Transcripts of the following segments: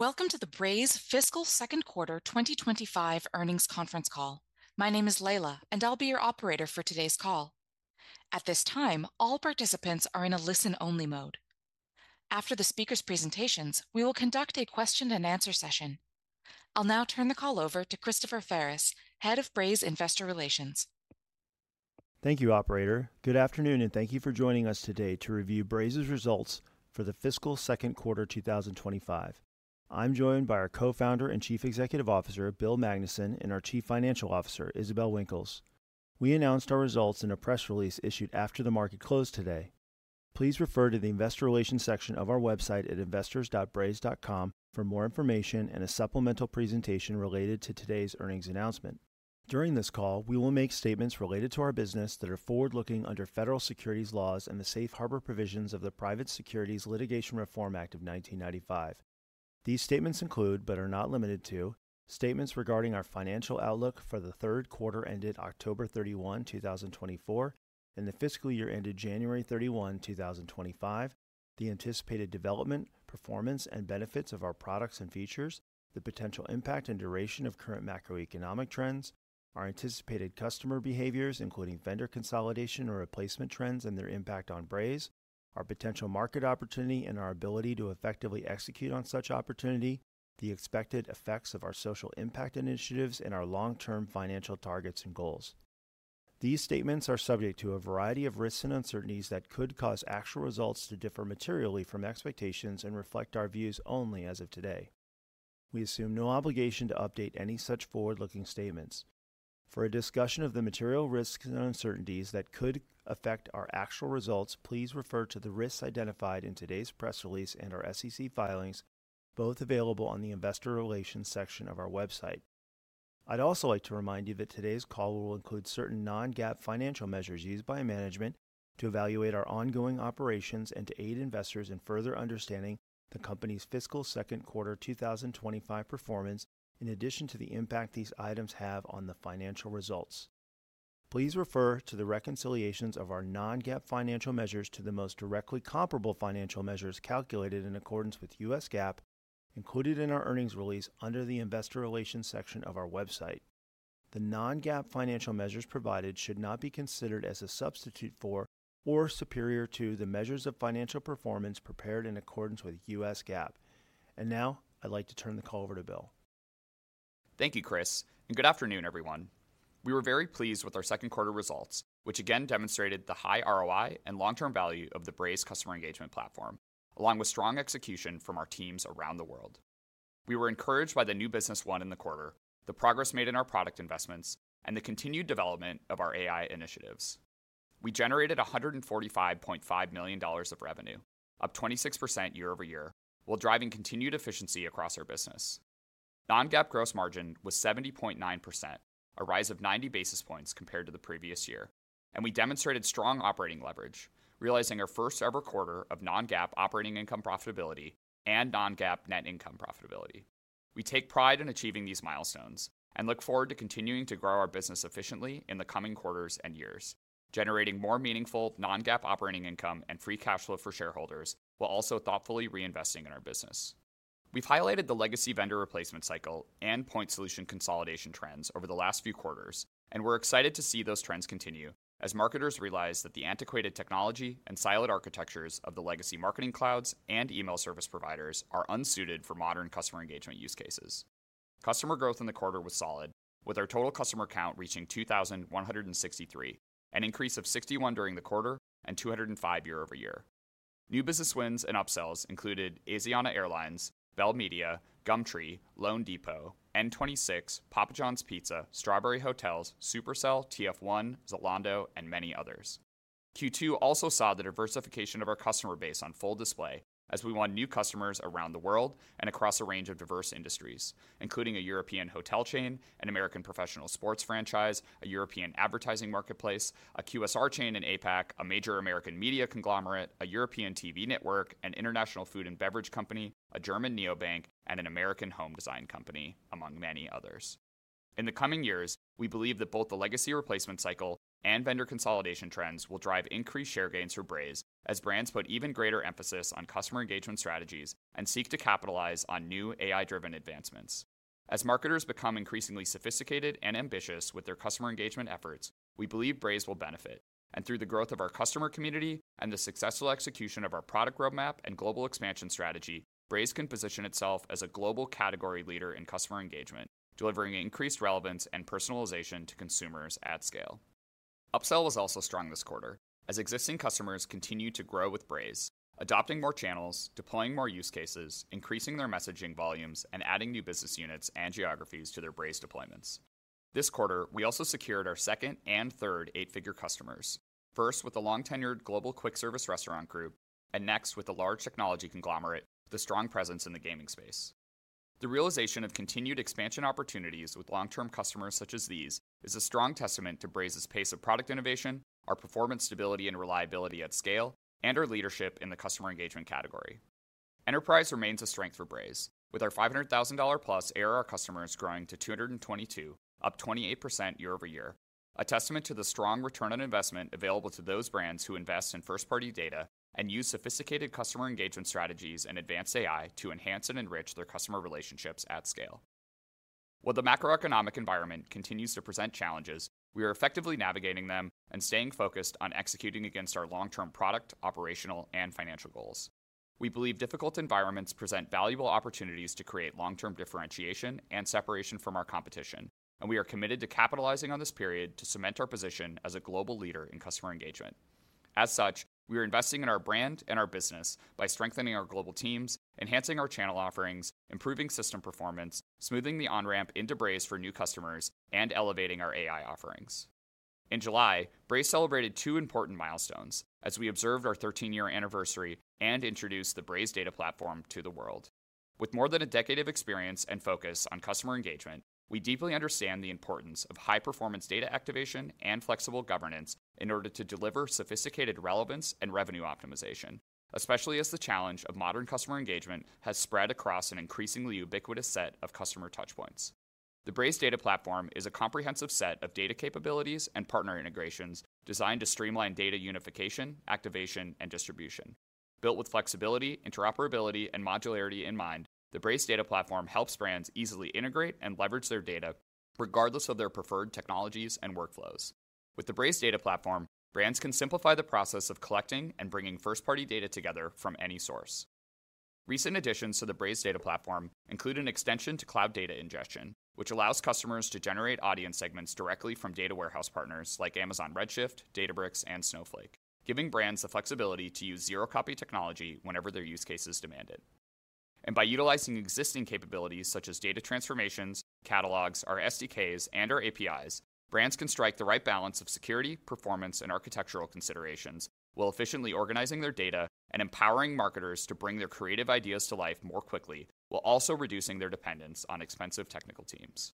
Welcome to the Braze Fiscal Second Quarter 2025 Earnings Conference Call. My name is Layla, and I'll be your operator for today's call. At this time, all participants are in a listen-only mode. After the speaker's presentations, we will conduct a question-and-answer session. I'll now turn the call over to Christopher Ferris, Head of Braze Investor Relations. Thank you, operator. Good afternoon, and thank you for joining us today to review Braze's results for the fiscal second quarter, 2025. I'm joined by our Co-founder and Chief Executive Officer, Bill Magnuson, and our Chief Financial Officer, Isabelle Winkles. We announced our results in a press release issued after the market closed today. Please refer to the investor relations section of our website at investors.braze.com for more information and a supplemental presentation related to today's earnings announcement. During this call, we will make statements related to our business that are forward-looking under federal securities laws and the safe harbor provisions of the Private Securities Litigation Reform Act of 1995. These statements include, but are not limited to, statements regarding our financial outlook for the third quarter ended October 31, 2024, and the fiscal year ended January 31, 2025, the anticipated development, performance, and benefits of our products and features, the potential impact and duration of current macroeconomic trends, our anticipated customer behaviors, including vendor consolidation or replacement trends and their impact on Braze, our potential market opportunity, and our ability to effectively execute on such opportunity, the expected effects of our social impact initiatives, and our long-term financial targets and goals. These statements are subject to a variety of risks and uncertainties that could cause actual results to differ materially from expectations and reflect our views only as of today. We assume no obligation to update any such forward-looking statements. For a discussion of the material risks and uncertainties that could affect our actual results, please refer to the risks identified in today's press release and our SEC filings, both available on the Investor Relations section of our website. I'd also like to remind you that today's call will include certain non-GAAP financial measures used by management to evaluate our ongoing operations and to aid investors in further understanding the company's fiscal second quarter, 2025, performance, in addition to the impact these items have on the financial results. Please refer to the reconciliations of our non-GAAP financial measures to the most directly comparable financial measures calculated in accordance with U.S. GAAP, included in our earnings release under the Investor Relations section of our website. The non-GAAP financial measures provided should not be considered as a substitute for or superior to the measures of financial performance prepared in accordance with U.S. GAAP. And now, I'd like to turn the call over to Bill. Thank you, Chris, and good afternoon, everyone. We were very pleased with our second quarter results, which again demonstrated the high ROI and long-term value of the Braze customer engagement platform, along with strong execution from our teams around the world. We were encouraged by the new business won in the quarter, the progress made in our product investments, and the continued development of our AI initiatives. We generated $145.5 million of revenue, up 26% year-over-year, while driving continued efficiency across our business. non-GAAP gross margin was 70.9%, a rise of 90 basis points compared to the previous year, and we demonstrated strong operating leverage, realizing our first-ever quarter of non-GAAP operating income profitability and non-GAAP net income profitability. We take pride in achieving these milestones and look forward to continuing to grow our business efficiently in the coming quarters and years, generating more meaningful non-GAAP operating income and free cash flow for shareholders, while also thoughtfully reinvesting in our business. We've highlighted the legacy vendor replacement cycle and point solution consolidation trends over the last few quarters, and we're excited to see those trends continue as marketers realize that the antiquated technology and siloed architectures of the legacy marketing clouds and email service providers are unsuited for modern customer engagement use cases. Customer growth in the quarter was solid, with our total customer count reaching 2,163, an increase of 61 during the quarter and 205 year-over-year. New business wins and upsells included Asiana Airlines, Bell Media, Gumtree, loanDepot, N26, Papa John's Pizza, Strawberry Hotels, Supercell, TF1, Zalando, and many others. Q2 also saw the diversification of our customer base on full display as we won new customers around the world and across a range of diverse industries, including a European hotel chain, an American professional sports franchise, a European advertising marketplace, a QSR chain in APAC, a major American media conglomerate, a European TV network, an international food and beverage company, a German neobank, and an American home design company, among many others. In the coming years, we believe that both the legacy replacement cycle and vendor consolidation trends will drive increased share gains for Braze as brands put even greater emphasis on customer engagement strategies and seek to capitalize on new AI-driven advancements. As marketers become increasingly sophisticated and ambitious with their customer engagement efforts, we believe Braze will benefit, and through the growth of our customer community and the successful execution of our product roadmap and global expansion strategy, Braze can position itself as a global category leader in customer engagement, delivering increased relevance and personalization to consumers at scale. Upsell was also strong this quarter as existing customers continued to grow with Braze, adopting more channels, deploying more use cases, increasing their messaging volumes, and adding new business units and geographies to their Braze deployments. This quarter, we also secured our second and third eight-figure customers, first with the long-tenured global quick service restaurant group and next with a large technology conglomerate with a strong presence in the gaming space. The realization of continued expansion opportunities with long-term customers such as these is a strong testament to Braze's pace of product innovation, our performance, stability, and reliability at scale, and our leadership in the customer engagement category. Enterprise remains a strength for Braze, with our $500,000-plus ARR customers growing to 222, up 28% year-over-year. A testament to the strong return on investment available to those brands who invest in first-party data and use sophisticated customer engagement strategies and advanced AI to enhance and enrich their customer relationships at scale. While the macroeconomic environment continues to present challenges, we are effectively navigating them and staying focused on executing against our long-term product, operational, and financial goals. We believe difficult environments present valuable opportunities to create long-term differentiation and separation from our competition, and we are committed to capitalizing on this period to cement our position as a global leader in customer engagement. As such, we are investing in our brand and our business by strengthening our global teams, enhancing our channel offerings, improving system performance, smoothing the on-ramp into Braze for new customers, and elevating our AI offerings. In July, Braze celebrated two important milestones as we observed our thirteen-year anniversary and introduced the Braze Data Platform to the world. With more than a decade of experience and focus on customer engagement, we deeply understand the importance of high-performance data activation and flexible governance in order to deliver sophisticated relevance and revenue optimization, especially as the challenge of modern customer engagement has spread across an increasingly ubiquitous set of customer touchpoints. The Braze Data Platform is a comprehensive set of data capabilities and partner integrations designed to streamline data unification, activation, and distribution. Built with flexibility, interoperability, and modularity in mind, the Braze Data Platform helps brands easily integrate and leverage their data regardless of their preferred technologies and workflows. With the Braze Data Platform, brands can simplify the process of collecting and bringing first-party data together from any source. Recent additions to the Braze Data Platform include an extension to Cloud Data Ingestion, which allows customers to generate audience segments directly from data warehouse partners like Amazon Redshift, Databricks, and Snowflake, giving brands the flexibility to use zero-copy technology whenever their use cases demand it. By utilizing existing capabilities such as data transformations, catalogs, our SDKs, and our APIs, brands can strike the right balance of security, performance, and architectural considerations while efficiently organizing their data and empowering marketers to bring their creative ideas to life more quickly, while also reducing their dependence on expensive technical teams.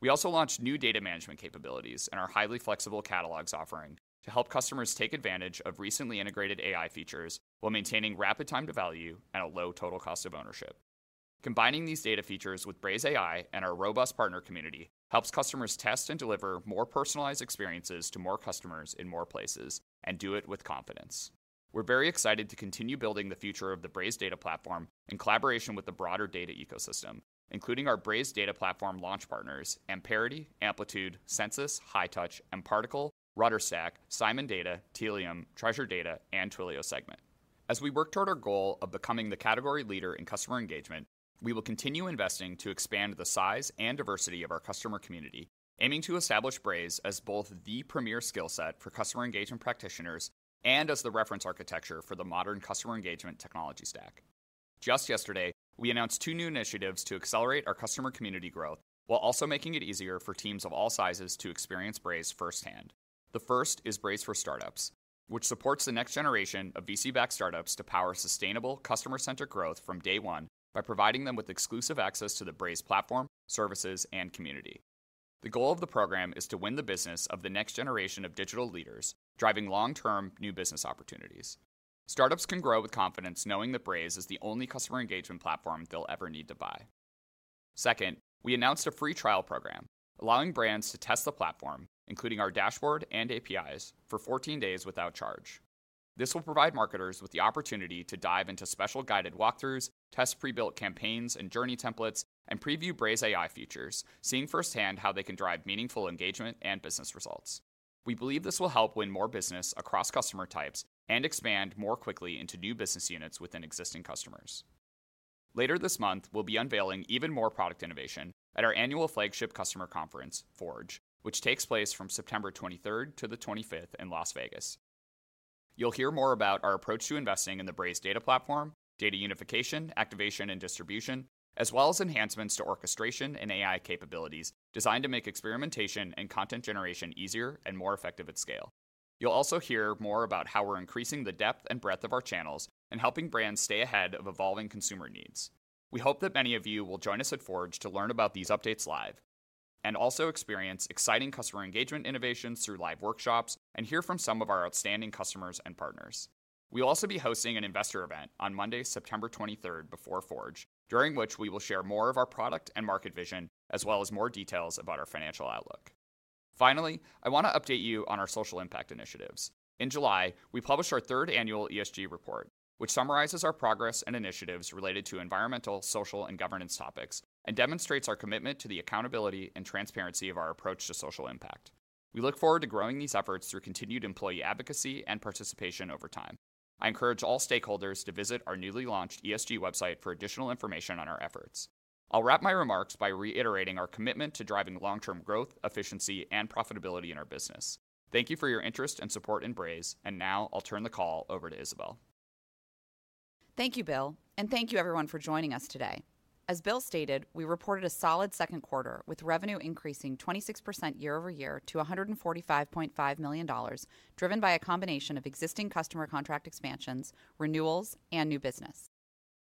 We also launched new data management capabilities and our highly flexible catalogs offering to help customers take advantage of recently integrated AI features while maintaining rapid time to value and a low total cost of ownership. Combining these data features with Braze AI and our robust partner community helps customers test and deliver more personalized experiences to more customers in more places, and do it with confidence. We're very excited to continue building the future of the Braze Data Platform in collaboration with the broader data ecosystem, including our Braze Data Platform launch partners, Amperity, Amplitude, Census, Hightouch, mParticle, RudderStack, Simon Data, Tealium, Treasure Data, and Twilio Segment. As we work toward our goal of becoming the category leader in customer engagement, we will continue investing to expand the size and diversity of our customer community, aiming to establish Braze as both the premier skill set for customer engagement practitioners and as the reference architecture for the modern customer engagement technology stack. Just yesterday, we announced two new initiatives to accelerate our customer community growth, while also making it easier for teams of all sizes to experience Braze firsthand. The first is Braze for Startups, which supports the next generation of VC-backed startups to power sustainable, customer-centric growth from day one by providing them with exclusive access to the Braze platform, services, and community. The goal of the program is to win the business of the next generation of digital leaders, driving long-term new business opportunities. Startups can grow with confidence, knowing that Braze is the only customer engagement platform they'll ever need to buy. Second, we announced a free trial program, allowing brands to test the platform, including our dashboard and APIs, for 14 days without charge. This will provide marketers with the opportunity to dive into special guided walkthroughs, test pre-built campaigns and journey templates, and preview Braze AI features, seeing firsthand how they can drive meaningful engagement and business results. We believe this will help win more business across customer types and expand more quickly into new business units within existing customers. Later this month, we'll be unveiling even more product innovation at our annual flagship customer conference, Forge, which takes place from September 23rd to the 25th in Las Vegas. You'll hear more about our approach to investing in the Braze data platform, data unification, activation, and distribution, as well as enhancements to orchestration and AI capabilities designed to make experimentation and content generation easier and more effective at scale. You'll also hear more about how we're increasing the depth and breadth of our channels and helping brands stay ahead of evolving consumer needs. We hope that many of you will join us at Forge to learn about these updates live and also experience exciting customer engagement innovations through live workshops and hear from some of our outstanding customers and partners. We'll also be hosting an investor event on Monday, September 23rd, before Forge, during which we will share more of our product and market vision, as well as more details about our financial outlook. Finally, I want to update you on our social impact initiatives. In July, we published our third annual ESG report, which summarizes our progress and initiatives related to environmental, social, and governance topics and demonstrates our commitment to the accountability and transparency of our approach to social impact. We look forward to growing these efforts through continued employee advocacy and participation over time. I encourage all stakeholders to visit our newly launched ESG website for additional information on our efforts. I'll wrap my remarks by reiterating our commitment to driving long-term growth, efficiency, and profitability in our business. Thank you for your interest and support in Braze, and now I'll turn the call over to Isabelle. Thank you, Bill, and thank you, everyone, for joining us today. As Bill stated, we reported a solid second quarter, with revenue increasing 26% year-over-year to $145.5 million, driven by a combination of existing customer contract expansions, renewals, and new business.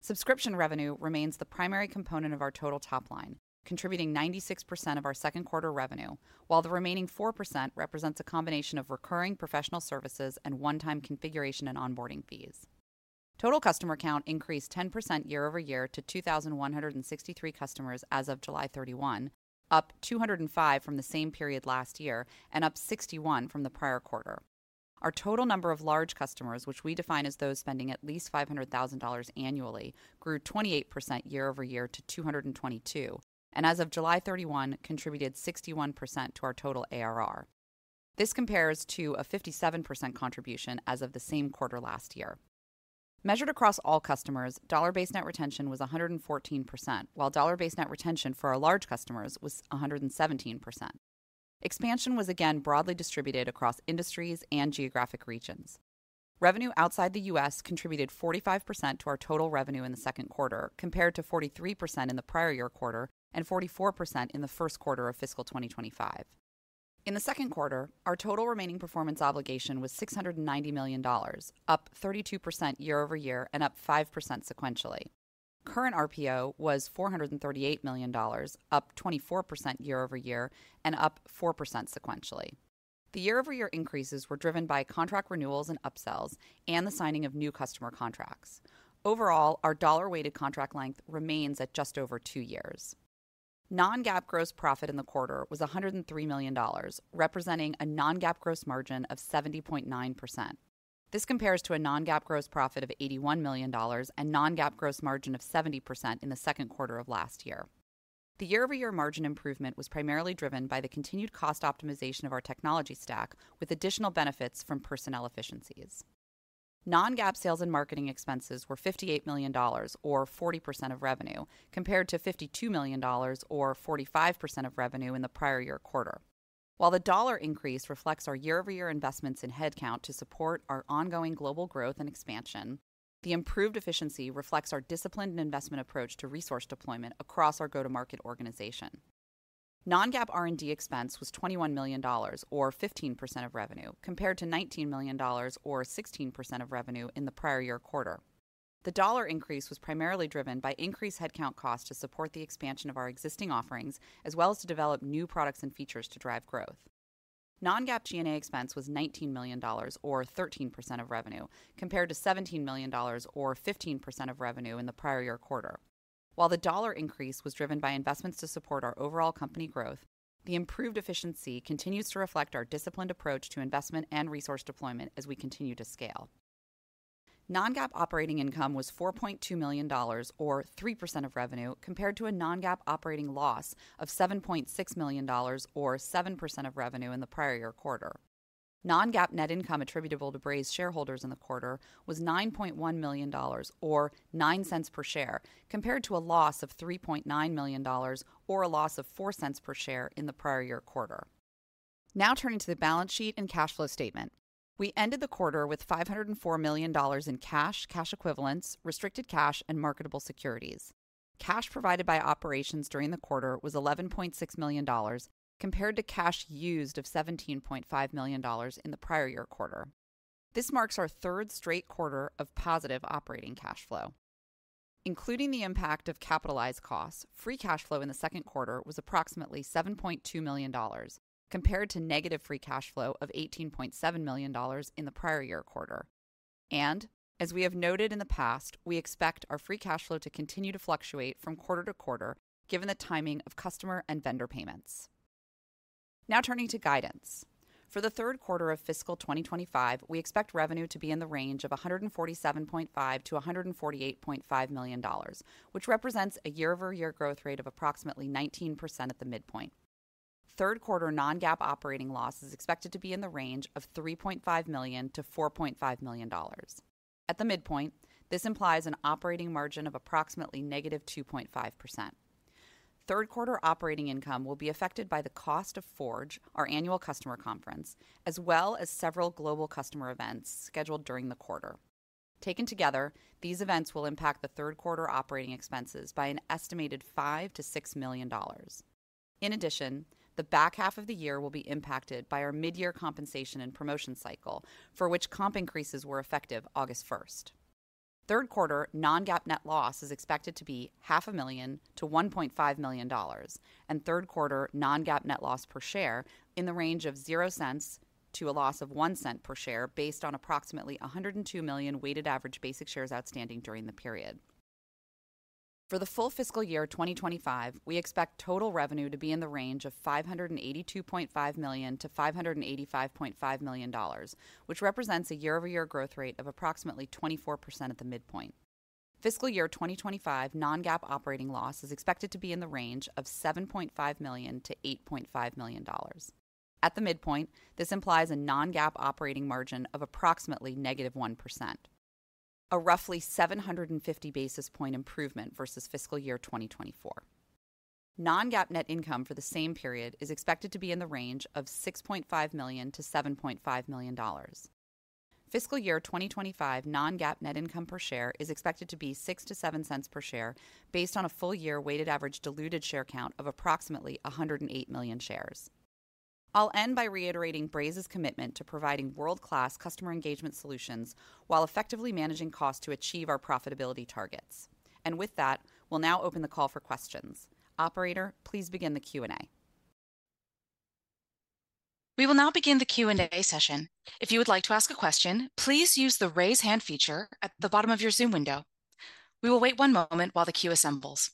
Subscription revenue remains the primary component of our total top line, contributing 96% of our second quarter revenue, while the remaining 4% represents a combination of recurring professional services and one-time configuration and onboarding fees. Total customer count increased 10% year-over-year to 2,163 customers as of July 31, up 205 from the same period last year, and up 61 from the prior quarter. Our total number of large customers, which we define as those spending at least $500,000 annually, grew 28% year-over-year to 222, and as of July 31, contributed 61% to our total ARR. This compares to a 57% contribution as of the same quarter last year. Measured across all customers, dollar-based net retention was 114%, while dollar-based net retention for our large customers was 117%. Expansion was again broadly distributed across industries and geographic regions. Revenue outside the U.S. contributed 45% to our total revenue in the second quarter, compared to 43% in the prior year quarter and 44% in the first quarter of fiscal 2025. In the second quarter, our total remaining performance obligations was $690 million, up 32% year-over-year and up 5% sequentially. Current RPO was $438 million, up 24% year-over-year and up 4% sequentially. The year-over-year increases were driven by contract renewals and upsells and the signing of new customer contracts. Overall, our dollar-weighted contract length remains at just over two years. non-GAAP gross profit in the quarter was $103 million, representing a non-GAAP gross margin of 70.9%. This compares to a non-GAAP gross profit of $81 million and non-GAAP gross margin of 70% in the second quarter of last year. The year-over-year margin improvement was primarily driven by the continued cost optimization of our technology stack, with additional benefits from personnel efficiencies. non-GAAP sales and marketing expenses were $58 million or 40% of revenue, compared to $52 million or 45% of revenue in the prior year quarter. While the dollar increase reflects our year-over-year investments in headcount to support our ongoing global growth and expansion, the improved efficiency reflects our disciplined investment approach to resource deployment across our go-to-market organization. non-GAAP R&D expense was $21 million, or 15% of revenue, compared to $19 million, or 16% of revenue, in the prior year quarter. The dollar increase was primarily driven by increased headcount costs to support the expansion of our existing offerings, as well as to develop new products and features to drive growth. non-GAAP G&A expense was $19 million, or 13% of revenue, compared to $17 million, or 15% of revenue, in the prior year quarter. While the dollar increase was driven by investments to support our overall company growth, the improved efficiency continues to reflect our disciplined approach to investment and resource deployment as we continue to scale. non-GAAP operating income was $4.2 million, or 3% of revenue, compared to a non-GAAP operating loss of $7.6 million, or 7% of revenue, in the prior year quarter. non-GAAP net income attributable to Braze shareholders in the quarter was $9.1 million, or $0.09 per share, compared to a loss of $3.9 million, or a loss of $0.04 per share in the prior year quarter. Now, turning to the balance sheet and cash flow statement. We ended the quarter with $504 million in cash, cash equivalents, restricted cash, and marketable securities. Cash provided by operations during the quarter was $11.6 million, compared to cash used of $17.5 million in the prior year quarter. This marks our third straight quarter of positive operating cash flow. Including the impact of capitalized costs, free cash flow in the second quarter was approximately $7.2 million, compared to negative free cash flow of $18.7 million in the prior year quarter. As we have noted in the past, we expect our free cash flow to continue to fluctuate from quarter to quarter, given the timing of customer and vendor payments. Now turning to guidance. For the third quarter of fiscal 2025, we expect revenue to be in the range of $147.5 million-$148.5 million, which represents a year-over-year growth rate of approximately 19% at the midpoint. Third quarter non-GAAP operating loss is expected to be in the range of $3.5 million-$4.5 million. At the midpoint, this implies an operating margin of approximately negative 2.5%. Third quarter operating income will be affected by the cost of Forge, our annual customer conference, as well as several global customer events scheduled during the quarter. Taken together, these events will impact the third quarter operating expenses by an estimated $5 million-$6 million. In addition, the back half of the year will be impacted by our mid-year compensation and promotion cycle, for which comp increases were effective August first. Third quarter non-GAAP net loss is expected to be $0.5 million-$1.5 million, and third quarter non-GAAP net loss per share in the range of $0.00 to a loss of $0.01 per share, based on approximately 102 million weighted average basic shares outstanding during the period. For the full fiscal year 2025, we expect total revenue to be in the range of $582.5 million-$585.5 million, which represents a year-over-year growth rate of approximately 24% at the midpoint. Fiscal year 2025 non-GAAP operating loss is expected to be in the range of $7.5 million-$8.5 million. At the midpoint, this implies a non-GAAP operating margin of approximately -1%, a roughly 750 basis point improvement versus fiscal year 2024. non-GAAP net income for the same period is expected to be in the range of $6.5 million-$7.5 million. Fiscal year 2025 non-GAAP net income per share is expected to be $0.06-$0.07 per share, based on a full-year weighted average diluted share count of approximately 108 million shares. I'll end by reiterating Braze's commitment to providing world-class customer engagement solutions while effectively managing costs to achieve our profitability targets. And with that, we'll now open the call for questions. Operator, please begin the Q&A.... We will now begin the Q&A session. If you would like to ask a question, please use the Raise Hand feature at the bottom of your Zoom window. We will wait one moment while the queue assembles.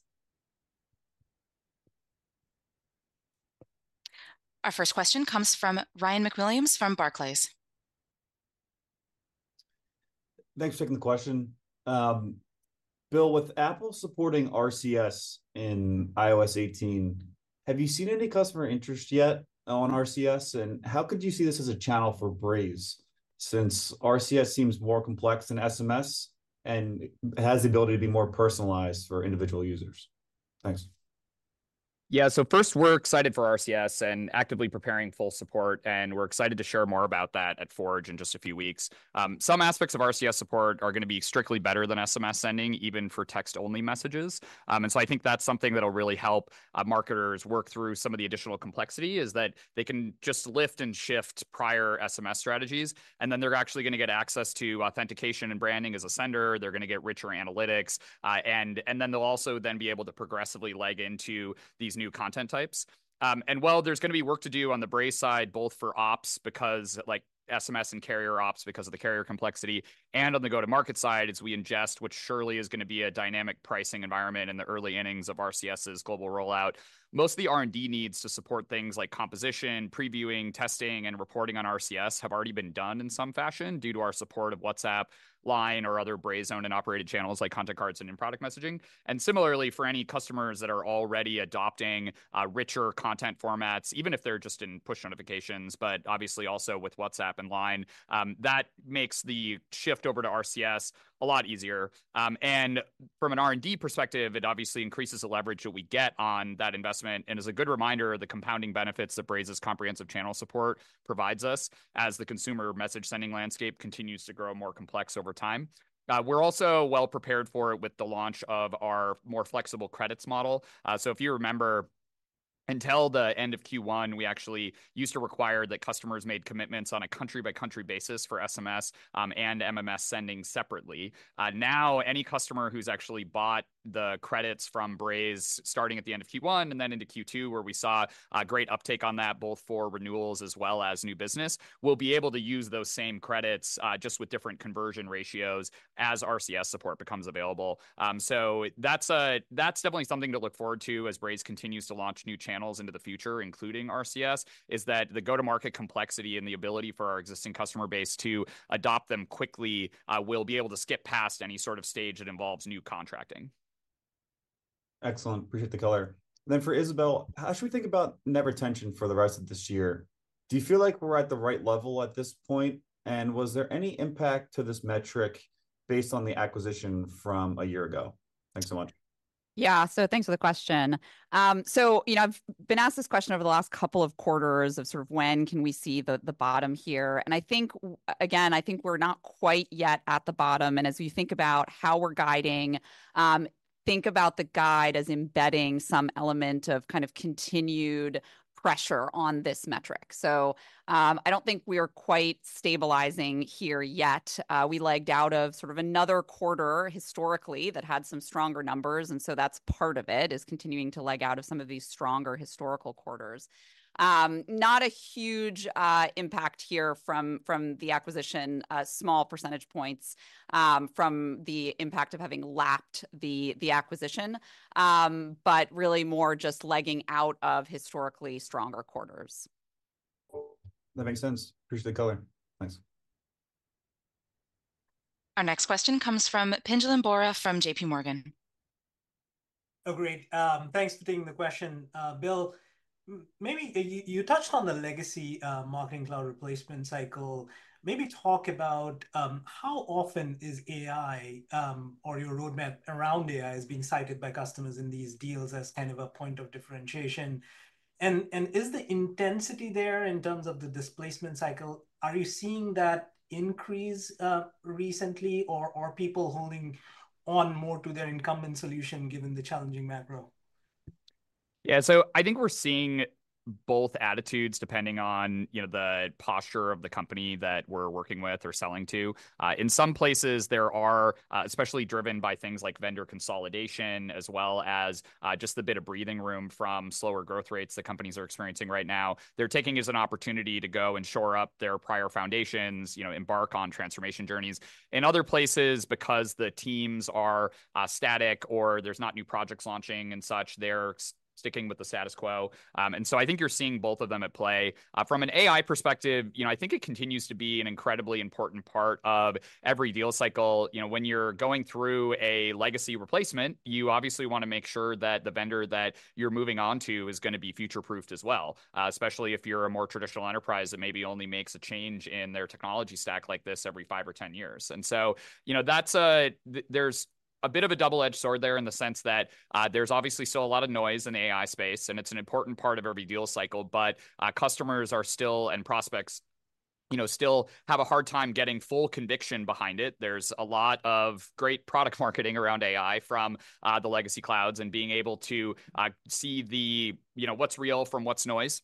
Our first question comes from Ryan MacWilliams from Barclays. Thanks for taking the question. Bill, with Apple supporting RCS in iOS 18, have you seen any customer interest yet on RCS? And how could you see this as a channel for Braze, since RCS seems more complex than SMS and has the ability to be more personalized for individual users? Thanks. Yeah, so first, we're excited for RCS and actively preparing full support, and we're excited to share more about that at Forge in just a few weeks. Some aspects of RCS support are gonna be strictly better than SMS sending, even for text-only messages. And so I think that's something that'll really help marketers work through some of the additional complexity, is that they can just lift and shift prior SMS strategies, and then they're actually gonna get access to authentication and branding as a sender. They're gonna get richer analytics, and then they'll also be able to progressively leg into these new content types. And while there's gonna be work to do on the Braze side, both for ops, because, like, SMS and carrier ops because of the carrier complexity, and on the go-to-market side, as we ingest what surely is gonna be a dynamic pricing environment in the early innings of RCS's global rollout. Most of the R&D needs to support things like composition, previewing, testing, and reporting on RCS have already been done in some fashion due to our support of WhatsApp, Line, or other Braze-owned and operated channels, like Content Cards and in-product messaging. And similarly, for any customers that are already adopting richer content formats, even if they're just in push notifications, but obviously also with WhatsApp and Line, that makes the shift over to RCS a lot easier. And from an R&D perspective, it obviously increases the leverage that we get on that investment and is a good reminder of the compounding benefits that Braze's comprehensive channel support provides us as the consumer message-sending landscape continues to grow more complex over time. We're also well prepared for it with the launch of our more flexible credits model, so if you remember, until the end of Q1, we actually used to require that customers made commitments on a country-by-country basis for SMS and MMS sending separately. Now, any customer who's actually bought the credits from Braze, starting at the end of Q1 and then into Q2, where we saw great uptake on that, both for renewals as well as new business, will be able to use those same credits just with different conversion ratios as RCS support becomes available. So that's definitely something to look forward to as Braze continues to launch new channels into the future, including RCS, is that the go-to-market complexity and the ability for our existing customer base to adopt them quickly will be able to skip past any sort of stage that involves new contracting. Excellent. Appreciate the color. Then, for Isabelle, how should we think about net retention for the rest of this year? Do you feel like we're at the right level at this point, and was there any impact to this metric based on the acquisition from a year ago? Thanks so much. Yeah. So thanks for the question. So, you know, I've been asked this question over the last couple of quarters, of sort of: When can we see the bottom here? And I think, again, I think we're not quite yet at the bottom. And as we think about how we're guiding, think about the guide as embedding some element of kind of continued pressure on this metric. So, I don't think we are quite stabilizing here yet. We lagged out of sort of another quarter historically that had some stronger numbers, and so that's part of it, is continuing to leg out of some of these stronger historical quarters. Not a huge impact here from the acquisition, small percentage points, from the impact of having lapped the acquisition, but really more just legging out of historically stronger quarters. That makes sense. Appreciate the color. Thanks. Our next question comes from Pinjalim Bora from JPMorgan. Oh, great. Thanks for taking the question. Bill, maybe you touched on the legacy Marketing Cloud replacement cycle. Maybe talk about how often is AI or your roadmap around AI being cited by customers in these deals as kind of a point of differentiation. And, is the intensity there in terms of the displacement cycle? Are you seeing that increase recently, or are people holding on more to their incumbent solution, given the challenging macro? Yeah, so I think we're seeing both attitudes, depending on, you know, the posture of the company that we're working with or selling to. In some places, there are, especially driven by things like vendor consolidation, as well as, just the bit of breathing room from slower growth rates that companies are experiencing right now. They're taking it as an opportunity to go and shore up their prior foundations, you know, embark on transformation journeys. In other places, because the teams are, static or there's not new projects launching and such, they're sticking with the status quo. And so I think you're seeing both of them at play. From an AI perspective, you know, I think it continues to be an incredibly important part of every deal cycle. You know, when you're going through a legacy replacement, you obviously want to make sure that the vendor that you're moving on to is gonna be future-proofed as well, especially if you're a more traditional enterprise that maybe only makes a change in their technology stack like this every five or 10 years. And so, you know, that's a bit of a double-edged sword there in the sense that, there's obviously still a lot of noise in the AI space, and it's an important part of every deal cycle. But, customers are still, and prospects, you know, still have a hard time getting full conviction behind it. There's a lot of great product marketing around AI from, the legacy clouds and being able to, see the, you know, what's real from what's noise.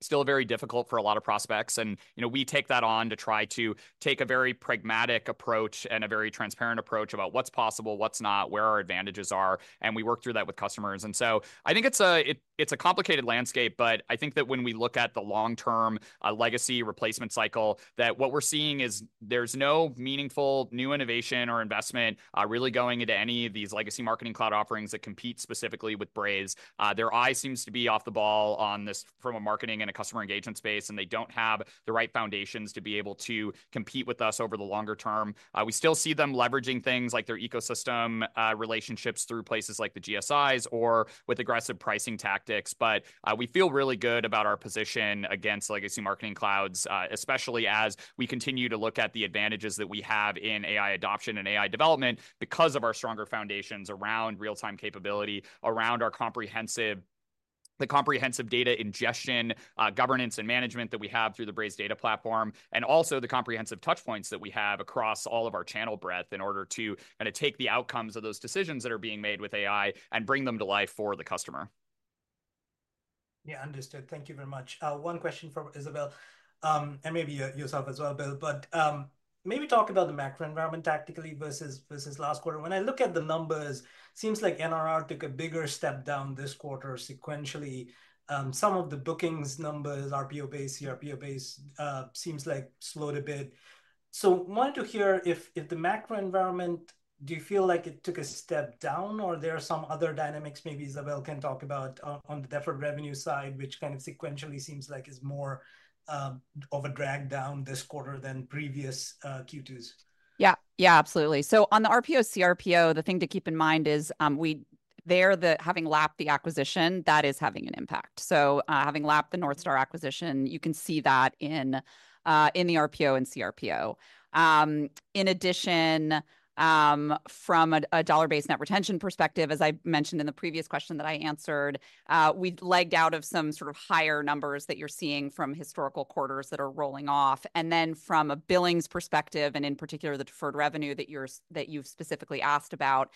Still very difficult for a lot of prospects, and, you know, we take that on to try to take a very pragmatic approach and a very transparent approach about what's possible, what's not, where our advantages are, and we work through that with customers. And so I think it's a complicated landscape, but I think that when we look at the long-term legacy replacement cycle, that what we're seeing is there's no meaningful new innovation or investment really going into any of these legacy marketing cloud offerings that compete specifically with Braze. Their eye seems to be off the ball on this from a marketing and a customer engagement space, and they don't have the right foundations to be able to compete with us over the longer term. We still see them leveraging things like their ecosystem, relationships through places like the GSIs or with aggressive pricing tactics, but we feel really good about our position against legacy marketing clouds, especially as we continue to look at the advantages that we have in AI adoption and AI development because of our stronger foundations around real-time capability, around our comprehensive data ingestion, governance, and management that we have through the Braze Data Platform, and also the comprehensive touch points that we have across all of our channel breadth in order to kinda take the outcomes of those decisions that are being made with AI and bring them to life for the customer. Yeah, understood. Thank you very much. One question for Isabelle, and maybe yourself as well, Bill, but maybe talk about the macro environment tactically versus last quarter. When I look at the numbers, seems like NRR took a bigger step down this quarter sequentially. Some of the bookings numbers, RPO base, CRPO base, seems like slowed a bit. So wanted to hear if the macro environment, do you feel like it took a step down, or there are some other dynamics maybe Isabelle can talk about on the deferred revenue side, which kind of sequentially seems like it's more of a drag down this quarter than previous Q2s? Yeah. Yeah, absolutely. So on the RPO, cRPO, the thing to keep in mind is, having lapped the acquisition, that is having an impact. So, having lapped the North Star acquisition, you can see that in, in the RPO and cRPO. In addition, from a, a dollar-based net retention perspective, as I mentioned in the previous question that I answered, we've legged out of some sort of higher numbers that you're seeing from historical quarters that are rolling off. And then from a billings perspective, and in particular, the deferred revenue that you've specifically asked about,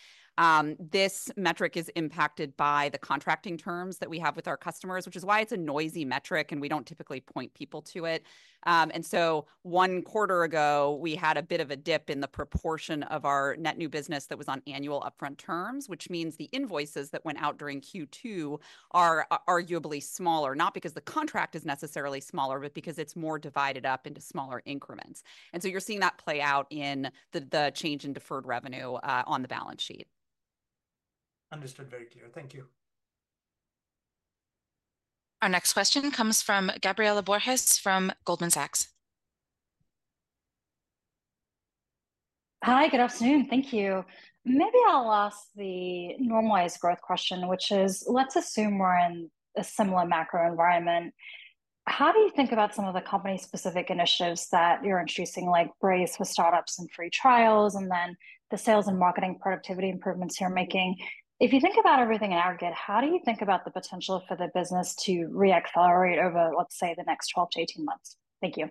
this metric is impacted by the contracting terms that we have with our customers, which is why it's a noisy metric, and we don't typically point people to it. And so one quarter ago, we had a bit of a dip in the proportion of our net new business that was on annual upfront terms, which means the invoices that went out during Q2 are arguably smaller, not because the contract is necessarily smaller, but because it's more divided up into smaller increments. And so you're seeing that play out in the change in deferred revenue on the balance sheet. Understood. Very clear. Thank you. Our next question comes from Gabriela Borges, from Goldman Sachs. Hi, good afternoon. Thank you. Maybe I'll ask the normalized growth question, which is, let's assume we're in a similar macro environment, how do you think about some of the company-specific initiatives that you're introducing, like Braze for Startups and free trials, and then the sales and marketing productivity improvements you're making? If you think about everything in aggregate, how do you think about the potential for the business to re-accelerate over, let's say, the next 12-18 months? Thank you.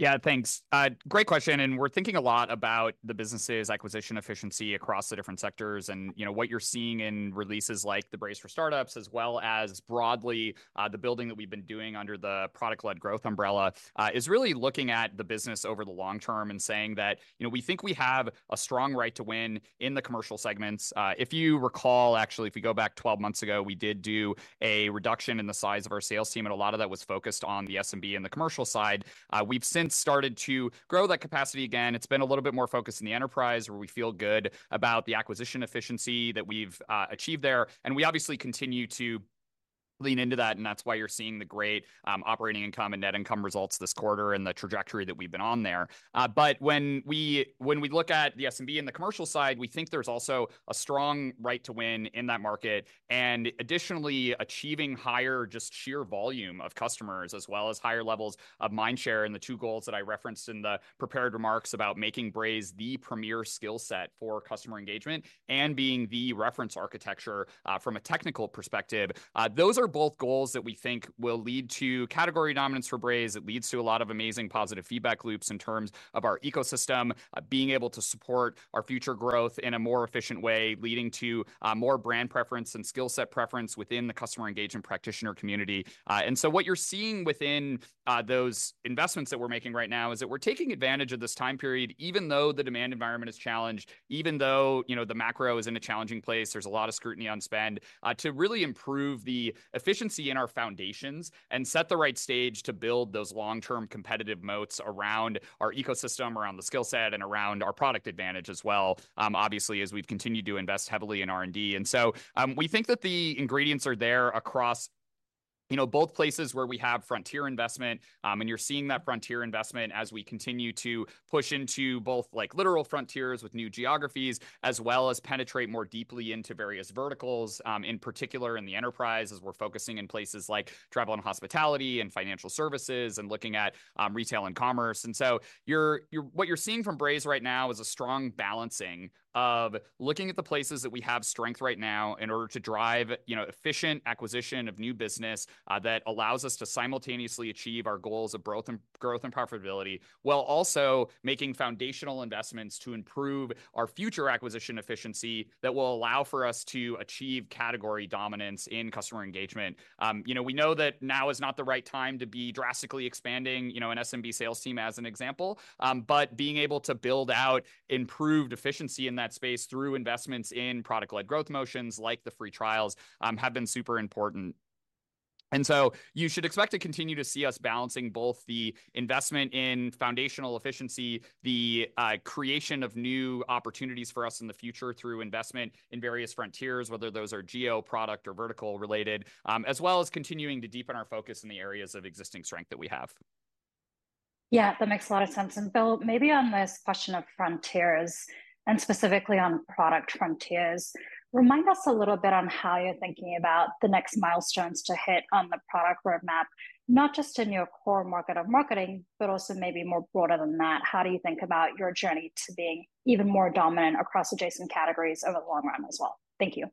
Yeah, thanks. Great question, and we're thinking a lot about the business' acquisition efficiency across the different sectors. And, you know, what you're seeing in releases like the Braze for Startups, as well as broadly, the building that we've been doing under the product-led growth umbrella, is really looking at the business over the long term and saying that, "You know, we think we have a strong right to win in the commercial segments." If you recall, actually, if we go back twelve months ago, we did do a reduction in the size of our sales team, and a lot of that was focused on the SMB and the commercial side. We've since started to grow that capacity again. It's been a little bit more focused in the enterprise, where we feel good about the acquisition efficiency that we've achieved there, and we obviously continue to lean into that, and that's why you're seeing the great operating income and net income results this quarter and the trajectory that we've been on there. But when we look at the SMB and the commercial side, we think there's also a strong right to win in that market, and additionally, achieving higher just sheer volume of customers, as well as higher levels of mindshare, and the two goals that I referenced in the prepared remarks about making Braze the premier skill set for customer engagement and being the reference architecture from a technical perspective. Those are both goals that we think will lead to category dominance for Braze. It leads to a lot of amazing positive feedback loops in terms of our ecosystem, being able to support our future growth in a more efficient way, leading to more brand preference and skill set preference within the customer engagement practitioner community, and so what you're seeing within those investments that we're making right now is that we're taking advantage of this time period, even though the demand environment is challenged, even though, you know, the macro is in a challenging place, there's a lot of scrutiny on spend, to really improve the efficiency in our foundations and set the right stage to build those long-term competitive moats around our ecosystem, around the skill set, and around our product advantage as well, obviously, as we've continued to invest heavily in R&D. And so, we think that the ingredients are there across, you know, both places where we have frontier investment, and you're seeing that frontier investment as we continue to push into both, like, literal frontiers with new geographies, as well as penetrate more deeply into various verticals, in particular, in the enterprise, as we're focusing in places like travel and hospitality and financial services and looking at, retail and commerce. And so you're, what you're seeing from Braze right now is a strong balancing of looking at the places that we have strength right now in order to drive, you know, efficient acquisition of new business, that allows us to simultaneously achieve our goals of growth and profitability, while also making foundational investments to improve our future acquisition efficiency that will allow for us to achieve category dominance in customer engagement. You know, we know that now is not the right time to be drastically expanding, you know, an SMB sales team, as an example, but being able to build out improved efficiency in that space through investments in product-led growth motions, like the free trials, have been super important, and so you should expect to continue to see us balancing both the investment in foundational efficiency, the creation of new opportunities for us in the future through investment in various frontiers, whether those are geo, product, or vertical related, as well as continuing to deepen our focus in the areas of existing strength that we have. Yeah, that makes a lot of sense. And Bill, maybe on this question of frontiers, and specifically on product frontiers, remind us a little bit on how you're thinking about the next milestones to hit on the product roadmap, not just in your core market of marketing, but also maybe more broader than that. How do you think about your journey to being even more dominant across adjacent categories over the long run as well? Thank you.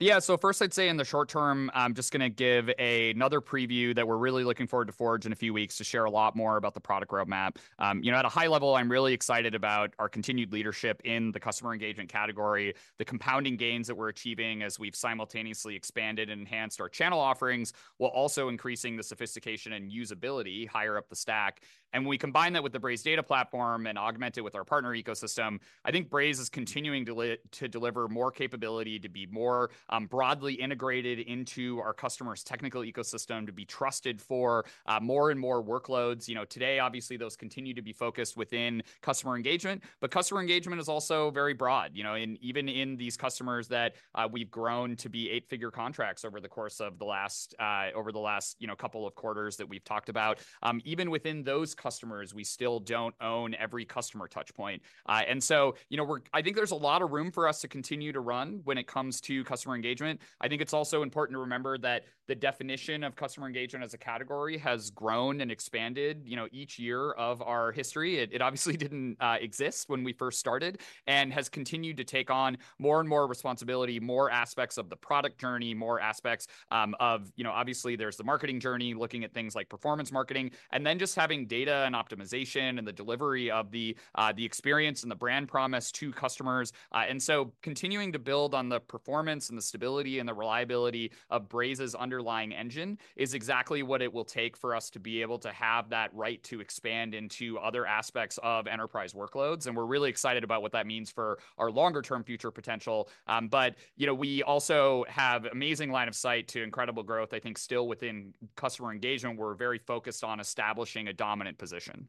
Yeah. So first, I'd say in the short term, I'm just gonna give another preview that we're really looking forward to Forge in a few weeks to share a lot more about the product roadmap. You know, at a high level, I'm really excited about our continued leadership in the customer engagement category, the compounding gains that we're achieving as we've simultaneously expanded and enhanced our channel offerings, while also increasing the sophistication and usability higher up the stack. And when we combine that with the Braze Data Platform and augment it with our partner ecosystem, I think Braze is continuing to deliver more capability to be more broadly integrated into our customer's technical ecosystem, to be trusted for more and more workloads. You know, today, obviously, those continue to be focused within customer engagement, but customer engagement is also very broad, you know, and even in these customers that we've grown to be eight-figure contracts over the course of the last over the last, you know, couple of quarters that we've talked about. Even within those customers, we still don't own every customer touch point. And so, you know, we're. I think there's a lot of room for us to continue to run when it comes to customer engagement. I think it's also important to remember that the definition of customer engagement as a category has grown and expanded, you know, each year of our history. It obviously didn't exist when we first started and has continued to take on more and more responsibility, more aspects of the product journey, more aspects of... You know, obviously, there's the marketing journey, looking at things like performance marketing, and then just having data and optimization and the delivery of the experience and the brand promise to customers, and so continuing to build on the performance and the stability and the reliability of Braze's underlying engine is exactly what it will take for us to be able to have that right to expand into other aspects of enterprise workloads, and we're really excited about what that means for our longer term future potential. But, you know, we also have amazing line of sight to incredible growth. I think still within customer engagement, we're very focused on establishing a dominant position.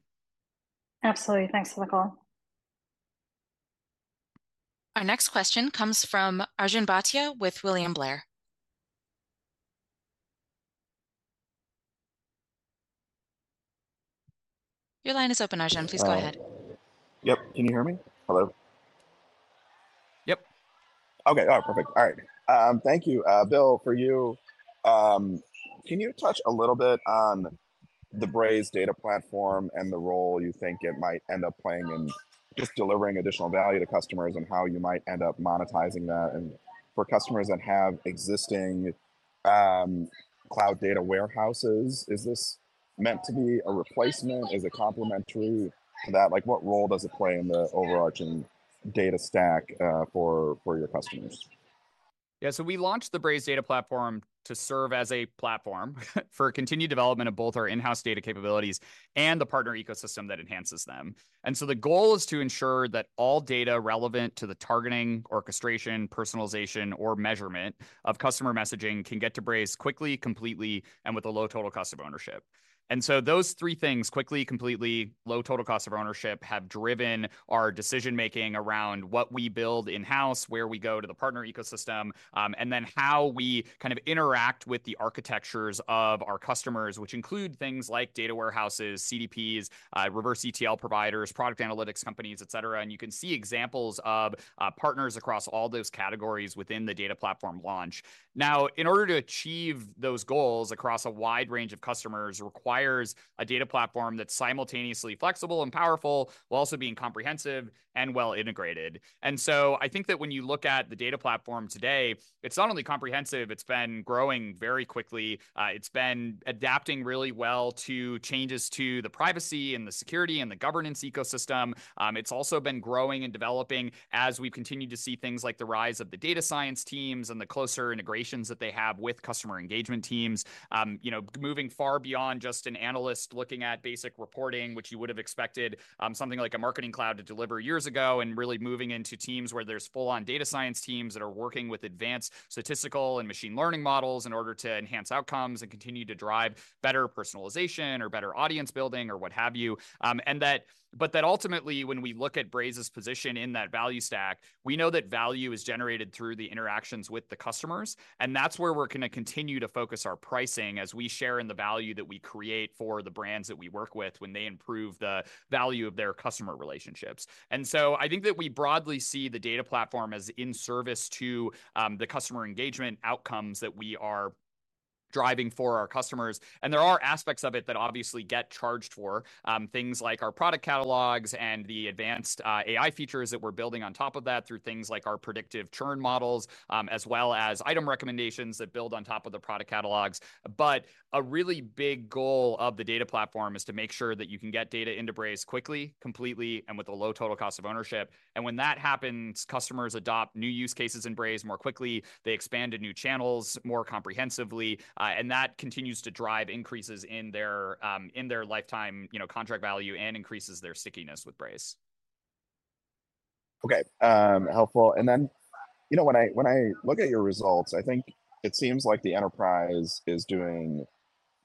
Absolutely. Thanks, Nicole. Our next question comes from Arjun Bhatia with William Blair. Your line is open, Arjun. Please go ahead. Yep. Can you hear me? Hello? Yep. Okay. All right, perfect. All right. Thank you, Bill. For you, can you touch a little bit on the Braze Data Platform and the role you think it might end up playing in just delivering additional value to customers and how you might end up monetizing that? And for customers that have existing cloud data warehouses, is this meant to be a replacement? Is it complementary to that? Like, what role does it play in the overarching data stack for your customers? Yeah. So we launched the Braze Data Platform to serve as a platform for continued development of both our in-house data capabilities and the partner ecosystem that enhances them. And so the goal is to ensure that all data relevant to the targeting, orchestration, personalization, or measurement of customer messaging can get to Braze quickly, completely, and with a low total cost of ownership. And so those three things, quickly, completely, low total cost of ownership, have driven our decision-making around what we build in-house, where we go to the partner ecosystem, and then how we kind of interact with the architectures of our customers, which include things like data warehouses, CDPs, Reverse ETL providers, product analytics companies, et cetera, and you can see examples of partners across all those categories within the data platform launch. Now, in order to achieve those goals across a wide range of customers, requires a data platform that's simultaneously flexible and powerful, while also being comprehensive and well integrated. And so I think that when you look at the data platform today, it's not only comprehensive, it's been growing very quickly, it's been adapting really well to changes to the privacy and the security and the governance ecosystem. It's also been growing and developing as we've continued to see things like the rise of the data science teams and the closer integrations that they have with customer engagement teams. You know, moving far beyond just an analyst looking at basic reporting, which you would have expected, something like a marketing cloud to deliver years ago, and really moving into teams where there's full-on data science teams that are working with advanced statistical and machine learning models in order to enhance outcomes and continue to drive better personalization or better audience building or what have you. But that ultimately, when we look at Braze's position in that value stack, we know that value is generated through the interactions with the customers, and that's where we're gonna continue to focus our pricing as we share in the value that we create for the brands that we work with when they improve the value of their customer relationships. I think that we broadly see the data platform as in service to the customer engagement outcomes that we are driving for our customers. There are aspects of it that obviously get charged for things like our product catalogs and the advanced AI features that we're building on top of that, through things like our predictive churn models as well as item recommendations that build on top of the product catalogs. A really big goal of the data platform is to make sure that you can get data into Braze quickly, completely, and with a low total cost of ownership. And when that happens, customers adopt new use cases in Braze more quickly. They expand to new channels more comprehensively, and that continues to drive increases in their lifetime, you know, contract value and increases their stickiness with Braze.... Okay, helpful. And then, you know, when I look at your results, I think it seems like the enterprise is doing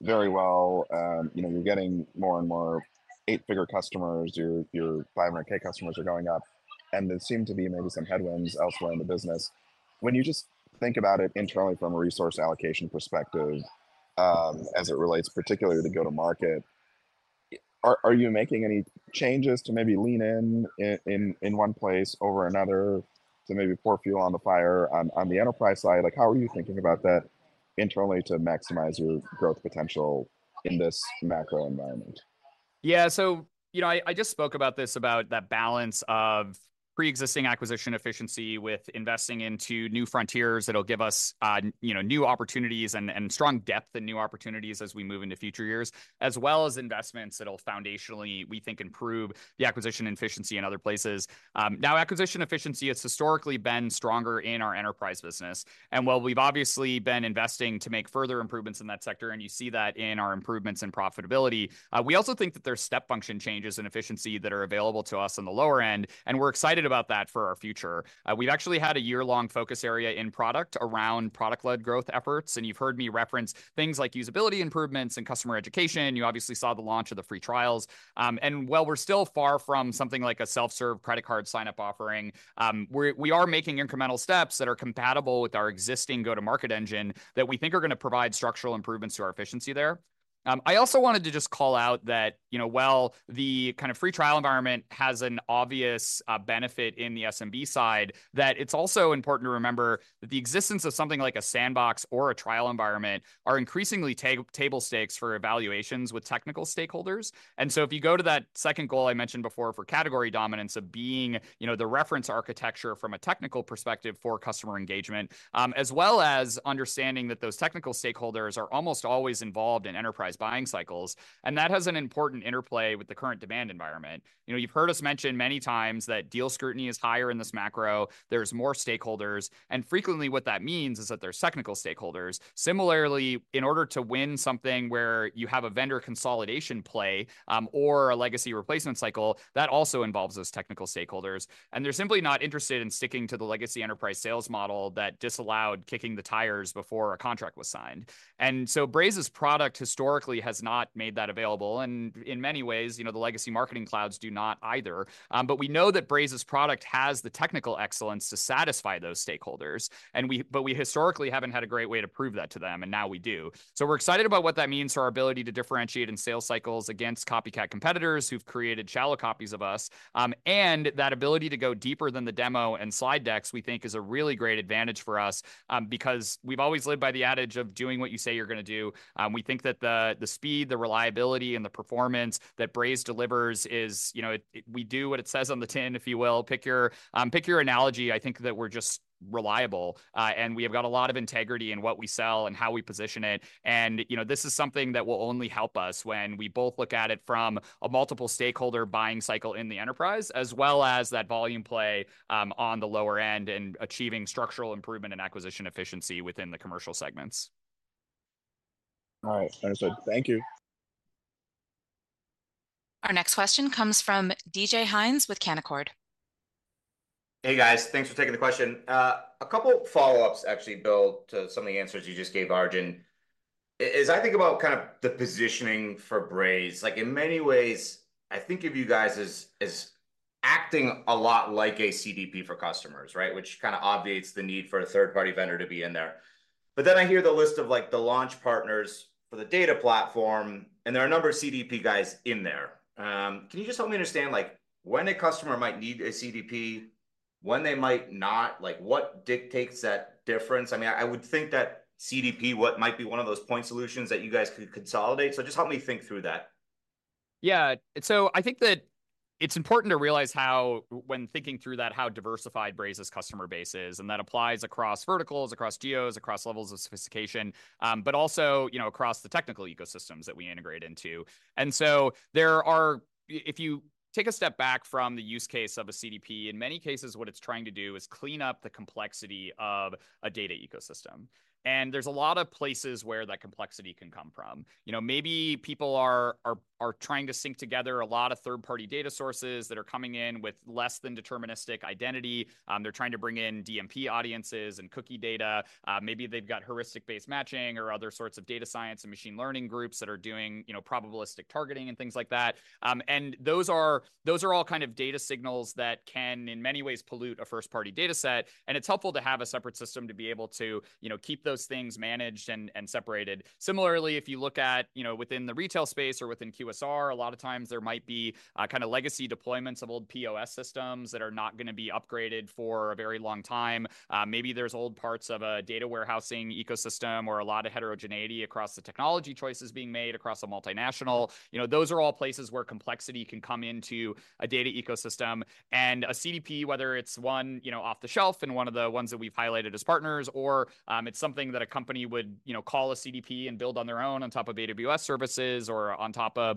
very well. You know, you're getting more and more eight-figure customers. Your 500K customers are going up, and there seem to be maybe some headwinds elsewhere in the business. When you just think about it internally from a resource allocation perspective, as it relates particularly to go-to-market, are you making any changes to maybe lean in one place over another, to maybe pour fuel on the fire on the enterprise side? Like, how are you thinking about that internally to maximize your growth potential in this macro environment? Yeah. So, you know, I just spoke about this, about that balance of pre-existing acquisition efficiency with investing into new frontiers that'll give us you know, new opportunities and strong depth and new opportunities as we move into future years, as well as investments that'll foundationally, we think, improve the acquisition efficiency in other places. Now, acquisition efficiency has historically been stronger in our enterprise business, and while we've obviously been investing to make further improvements in that sector, and you see that in our improvements in profitability, we also think that there's step function changes in efficiency that are available to us on the lower end, and we're excited about that for our future. We've actually had a year-long focus area in product around product-led growth efforts, and you've heard me reference things like usability improvements and customer education. You obviously saw the launch of the free trials, and while we're still far from something like a self-serve credit card sign-up offering, we are making incremental steps that are compatible with our existing go-to-market engine that we think are gonna provide structural improvements to our efficiency there. I also wanted to just call out that, you know, while the kind of free trial environment has an obvious benefit in the SMB side, that it's also important to remember that the existence of something like a sandbox or a trial environment are increasingly table stakes for evaluations with technical stakeholders. And so if you go to that second goal I mentioned before for category dominance of being, you know, the reference architecture from a technical perspective for customer engagement, as well as understanding that those technical stakeholders are almost always involved in enterprise buying cycles, and that has an important interplay with the current demand environment. You know, you've heard us mention many times that deal scrutiny is higher in this macro. There's more stakeholders, and frequently what that means is that there's technical stakeholders. Similarly, in order to win something where you have a vendor consolidation play, or a legacy replacement cycle, that also involves those technical stakeholders, and they're simply not interested in sticking to the legacy enterprise sales model that disallowed kicking the tires before a contract was signed. Braze's product historically has not made that available, and in many ways, you know, the legacy marketing clouds do not either. But we know that Braze's product has the technical excellence to satisfy those stakeholders, but we historically haven't had a great way to prove that to them, and now we do. We're excited about what that means for our ability to differentiate in sales cycles against copycat competitors who've created shallow copies of us. That ability to go deeper than the demo and slide decks, we think, is a really great advantage for us, because we've always lived by the adage of doing what you say you're gonna do. We think that the speed, the reliability, and the performance that Braze delivers is, you know, it, we do what it says on the tin, if you will. Pick your analogy. I think that we're just reliable, and we have got a lot of integrity in what we sell and how we position it. You know, this is something that will only help us when we both look at it from a multiple stakeholder buying cycle in the enterprise, as well as that volume play, on the lower end and achieving structural improvement and acquisition efficiency within the commercial segments. All right. Understood. Thank you. Our next question comes from DJ Hynes with Canaccord. Hey, guys. Thanks for taking the question. A couple follow-ups, actually, Bill, to some of the answers you just gave Arjun. As I think about kind of the positioning for Braze, like, in many ways, I think of you guys as acting a lot like a CDP for customers, right? Which kinda obviates the need for a third-party vendor to be in there. But then I hear the list of, like, the launch partners for the data platform, and there are a number of CDP guys in there. Can you just help me understand, like, when a customer might need a CDP, when they might not? Like, what dictates that difference? I mean, I would think that CDP, what might be one of those point solutions that you guys could consolidate, so just help me think through that. Yeah. So I think that it's important to realize how... when thinking through that, how diversified Braze's customer base is, and that applies across verticals, across geos, across levels of sophistication, but also, you know, across the technical ecosystems that we integrate into. And so there are... if you take a step back from the use case of a CDP, in many cases, what it's trying to do is clean up the complexity of a data ecosystem, and there's a lot of places where that complexity can come from. You know, maybe people are trying to sync together a lot of third-party data sources that are coming in with less than deterministic identity. They're trying to bring in DMP audiences and cookie data. Maybe they've got heuristic-based matching or other sorts of data science and machine learning groups that are doing, you know, probabilistic targeting and things like that. And those are all kind of data signals that can, in many ways, pollute a first-party data set, and it's helpful to have a separate system to be able to, you know, keep those things managed and separated. Similarly, if you look at, you know, within the retail space or within QSR, a lot of times there might be kind of legacy deployments of old POS systems that are not gonna be upgraded for a very long time. Maybe there's old parts of a data warehousing ecosystem or a lot of heterogeneity across the technology choices being made across a multinational. You know, those are all places where complexity can come into a data ecosystem. A CDP, whether it's one, you know, off the shelf and one of the ones that we've highlighted as partners, or, it's something that a company would, you know, call a CDP and build on their own on top of AWS services or on top of,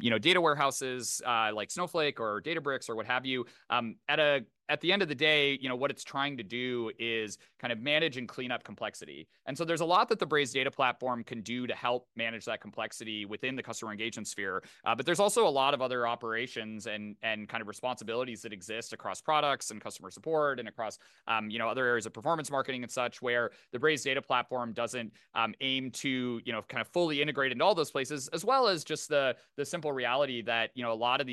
you know, data warehouses, like Snowflake or Databricks or what have you, at the end of the day, you know, what it's trying to do is kind of manage and clean up complexity. And so there's a lot that the Braze Data Platform can do to help manage that complexity within the customer engagement sphere. But there's also a lot of other operations and kind of responsibilities that exist across products and customer support and across, you know, other areas of performance marketing and such, where the Braze Data Platform doesn't aim to, you know, kind of fully integrate into all those places. As well as just the simple reality that, you know, a lot of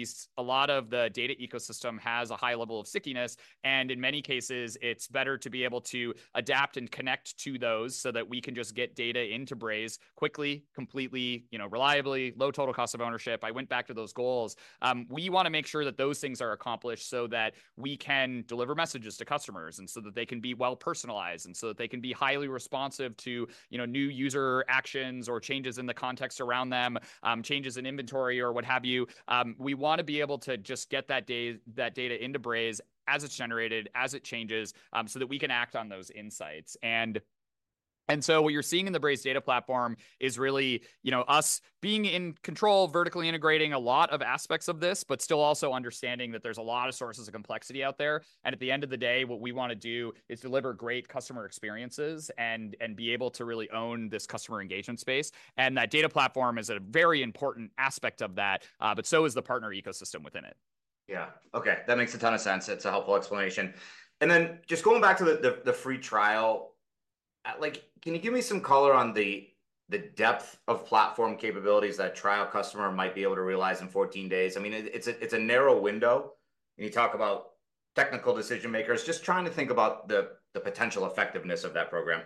the data ecosystem has a high level of stickiness, and in many cases, it's better to be able to adapt and connect to those so that we can just get data into Braze quickly, completely, you know, reliably, low total cost of ownership. I went back to those goals. We wanna make sure that those things are accomplished so that we can deliver messages to customers, and so that they can be well-personalized, and so that they can be highly responsive to, you know, new user actions or changes in the context around them, changes in inventory or what have you. We wanna be able to just get that data into Braze as it's generated, as it changes, so that we can act on those insights. And so what you're seeing in the Braze Data Platform is really, you know, us being in control, vertically integrating a lot of aspects of this, but still also understanding that there's a lot of sources of complexity out there. And at the end of the day, what we wanna do is deliver great customer experiences and be able to really own this customer engagement space. And that data platform is a very important aspect of that, but so is the partner ecosystem within it. Yeah. Okay, that makes a ton of sense. It's a helpful explanation. And then just going back to the free trial, like, can you give me some color on the depth of platform capabilities that a trial customer might be able to realize in 14 days? I mean, it's a narrow window when you talk about technical decision-makers. Just trying to think about the potential effectiveness of that program.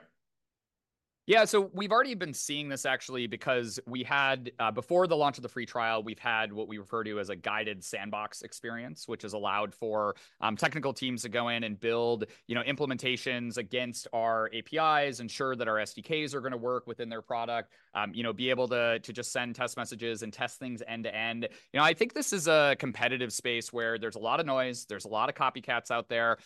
Yeah, so we've already been seeing this actually, because we had before the launch of the free trial, we've had what we refer to as a guided sandbox experience, which has allowed for technical teams to go in and build, you know, implementations against our APIs, ensure that our SDKs are gonna work within their product. You know, be able to just send test messages and test things end-to-end. You know, I think this is a competitive space where there's a lot of noise, there's a lot of copycats out there.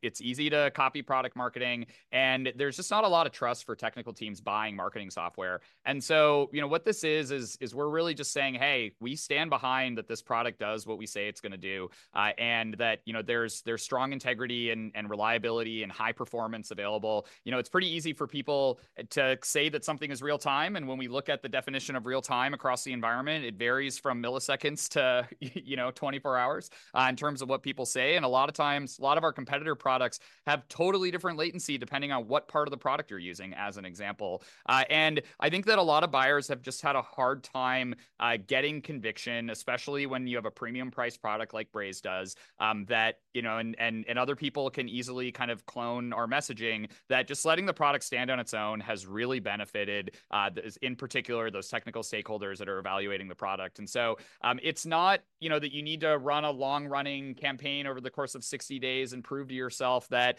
It's easy to copy product marketing, and there's just not a lot of trust for technical teams buying marketing software. So, you know, what this is, is we're really just saying, "Hey, we stand behind that this product does what we say it's gonna do," and that, you know, there's strong integrity, and reliability, and high performance available. You know, it's pretty easy for people to say that something is real time, and when we look at the definition of real time across the environment, it varies from milliseconds to you know, 24 hours, in terms of what people say. And a lot of times, a lot of our competitor products have totally different latency, depending on what part of the product you're using, as an example. And I think that a lot of buyers have just had a hard time, getting conviction, especially when you have a premium-priced product like Braze does, that, you know... Other people can easily kind of clone our messaging, that just letting the product stand on its own has really benefited in particular those technical stakeholders that are evaluating the product. And so, it's not, you know, that you need to run a long-running campaign over the course of 60 days and prove to yourself that,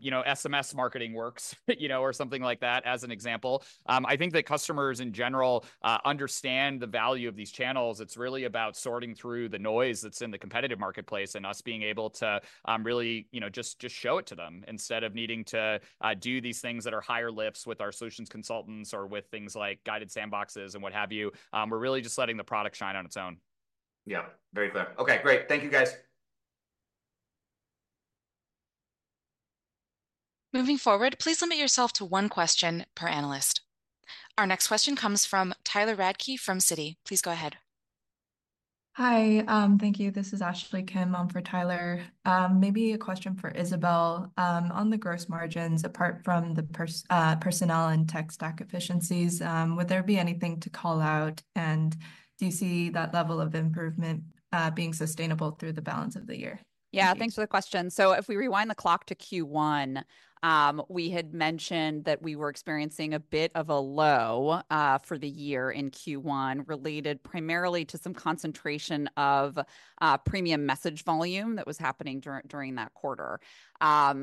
you know, SMS marketing works, you know, or something like that, as an example. I think that customers in general understand the value of these channels. It's really about sorting through the noise that's in the competitive marketplace, and us being able to, really, you know, just show it to them, instead of needing to do these things that are higher lifts with our solutions consultants or with things like guided sandboxes, and what have you. We're really just letting the product shine on its own. Yeah, very clear. Okay, great. Thank you, guys. Moving forward, please limit yourself to one question per analyst. Our next question comes from Tyler Radke from Citi. Please go ahead. Hi, thank you. This is Ashley Kim for Tyler. Maybe a question for Isabelle. On the gross margins, apart from the personnel and tech stack efficiencies, would there be anything to call out, and do you see that level of improvement being sustainable through the balance of the year? Yeah, thanks for the question. So if we rewind the clock to Q1, we had mentioned that we were experiencing a bit of a low for the year in Q1, related primarily to some concentration of premium message volume that was happening during that quarter.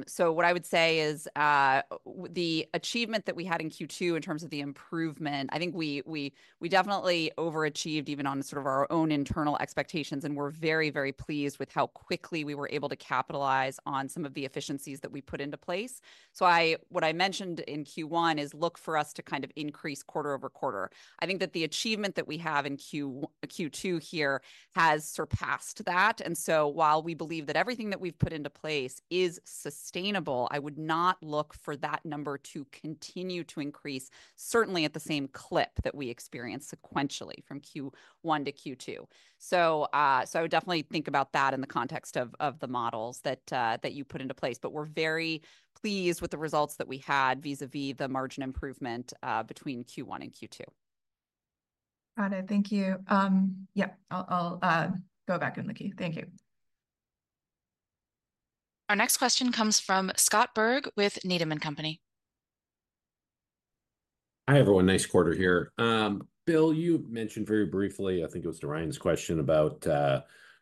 So what I would say is the achievement that we had in Q2 in terms of the improvement, I think we definitely overachieved, even on sort of our own internal expectations, and we're very, very pleased with how quickly we were able to capitalize on some of the efficiencies that we put into place. So what I mentioned in Q1 is look for us to kind of increase quarter over quarter. I think that the achievement that we have in Q2 here has surpassed that, and so while we believe that everything that we've put into place is sustainable, I would not look for that number to continue to increase, certainly at the same clip that we experienced sequentially from Q1 to Q2. So, so I would definitely think about that in the context of the models that you put into place. But we're very pleased with the results that we had vis-a-vis the margin improvement between Q1 and Q2. Got it. Thank you. Yeah, I'll go back in the queue. Thank you. Our next question comes from Scott Berg with Needham & Company. Hi, everyone. Nice quarter here. Bill, you mentioned very briefly, I think it was to Ryan's question, about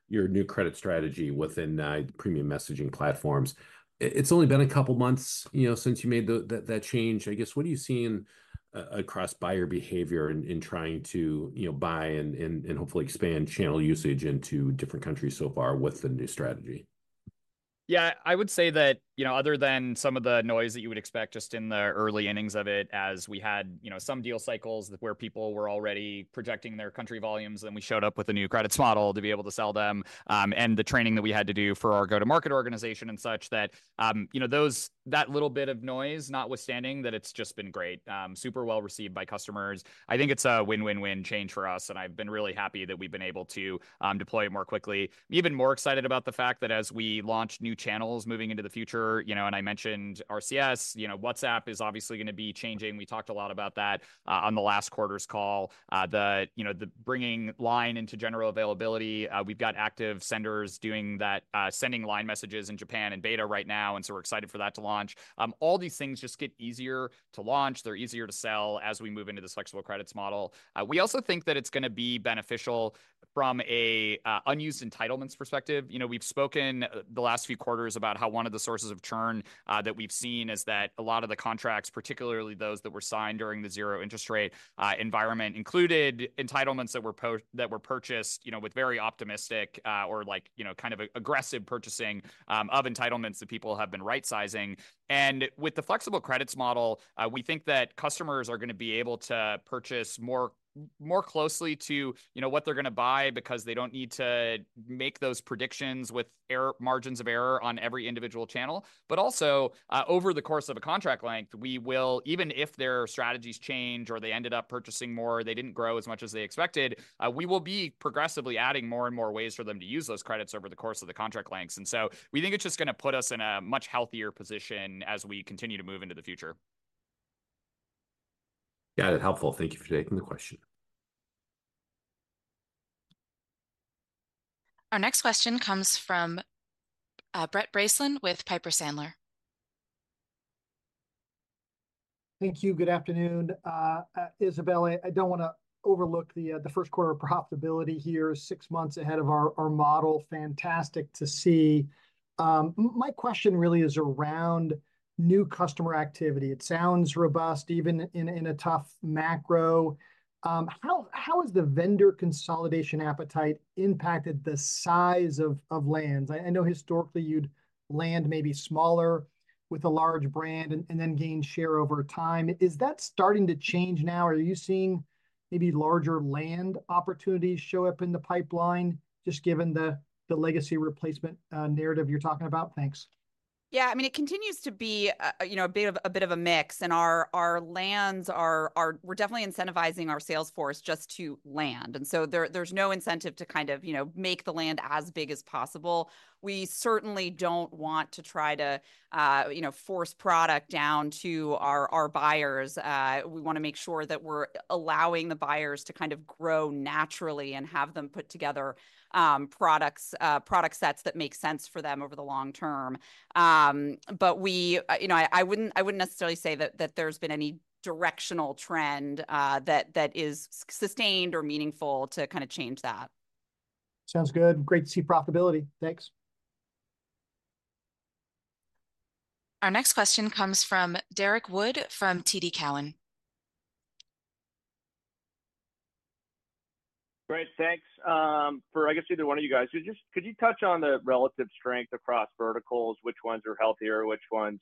your new credit strategy within premium messaging platforms. It's only been a couple months, you know, since you made that change. I guess, what are you seeing across buyer behavior in trying to, you know, buy and hopefully expand channel usage into different countries so far with the new strategy? Yeah, I would say that, you know, other than some of the noise that you would expect just in the early innings of it, as we had, you know, some deal cycles where people were already projecting their country volumes, and we showed up with a new credits model to be able to sell them, and the training that we had to do for our go-to-market organization and such, that, you know, that little bit of noise notwithstanding, that it's just been great. Super well-received by customers. I think it's a win-win-win change for us, and I've been really happy that we've been able to deploy it more quickly. Even more excited about the fact that as we launch new channels moving into the future, you know, and I mentioned RCS, you know, WhatsApp is obviously gonna be changing. We talked a lot about that, on the last quarter's call. You know, the bringing Line into general availability, we've got active senders doing that, sending Line messages in Japan in beta right now, and so we're excited for that to launch. All these things just get easier to launch, they're easier to sell as we move into this flexible credits model. We also think that it's gonna be beneficial-... From a unused entitlements perspective, you know, we've spoken the last few quarters about how one of the sources of churn that we've seen is that a lot of the contracts, particularly those that were signed during the zero interest rate environment, included entitlements that were purchased, you know, with very optimistic or like, you know, kind of a aggressive purchasing of entitlements that people have been right-sizing. And with the flexible credits model, we think that customers are gonna be able to purchase more closely to, you know, what they're gonna buy because they don't need to make those predictions with margins of error on every individual channel. But also over the course of a contract length, we will... Even if their strategies change or they ended up purchasing more, or they didn't grow as much as they expected, we will be progressively adding more and more ways for them to use those credits over the course of the contract lengths. And so we think it's just gonna put us in a much healthier position as we continue to move into the future. Yeah, helpful. Thank you for taking the question. Our next question comes from, Brent Bracelin with Piper Sandler. Thank you. Good afternoon. Isabelle, I don't wanna overlook the first quarter profitability here, six months ahead of our model. Fantastic to see. My question really is around new customer activity. It sounds robust, even in a tough macro. How has the vendor consolidation appetite impacted the size of lands? I know historically you'd land maybe smaller with a large brand and then gain share over time. Is that starting to change now, or are you seeing maybe larger land opportunities show up in the pipeline, just given the legacy replacement narrative you're talking about? Thanks. Yeah, I mean, it continues to be, you know, a bit of a mix, and our lands are. We're definitely incentivizing our sales force just to land, and so there's no incentive to kind of, you know, make the land as big as possible. We certainly don't want to try to, you know, force product down to our buyers. We wanna make sure that we're allowing the buyers to kind of grow naturally and have them put together, products, product sets that make sense for them over the long term. But we, you know, I wouldn't, I wouldn't necessarily say that there's been any directional trend, that is sustained or meaningful to kinda change that. Sounds good. Great to see profitability. Thanks. Our next question comes from Derrick Wood from TD Cowen. Great, thanks for I guess either one of you guys. Just could you touch on the relative strength across verticals, which ones are healthier, which ones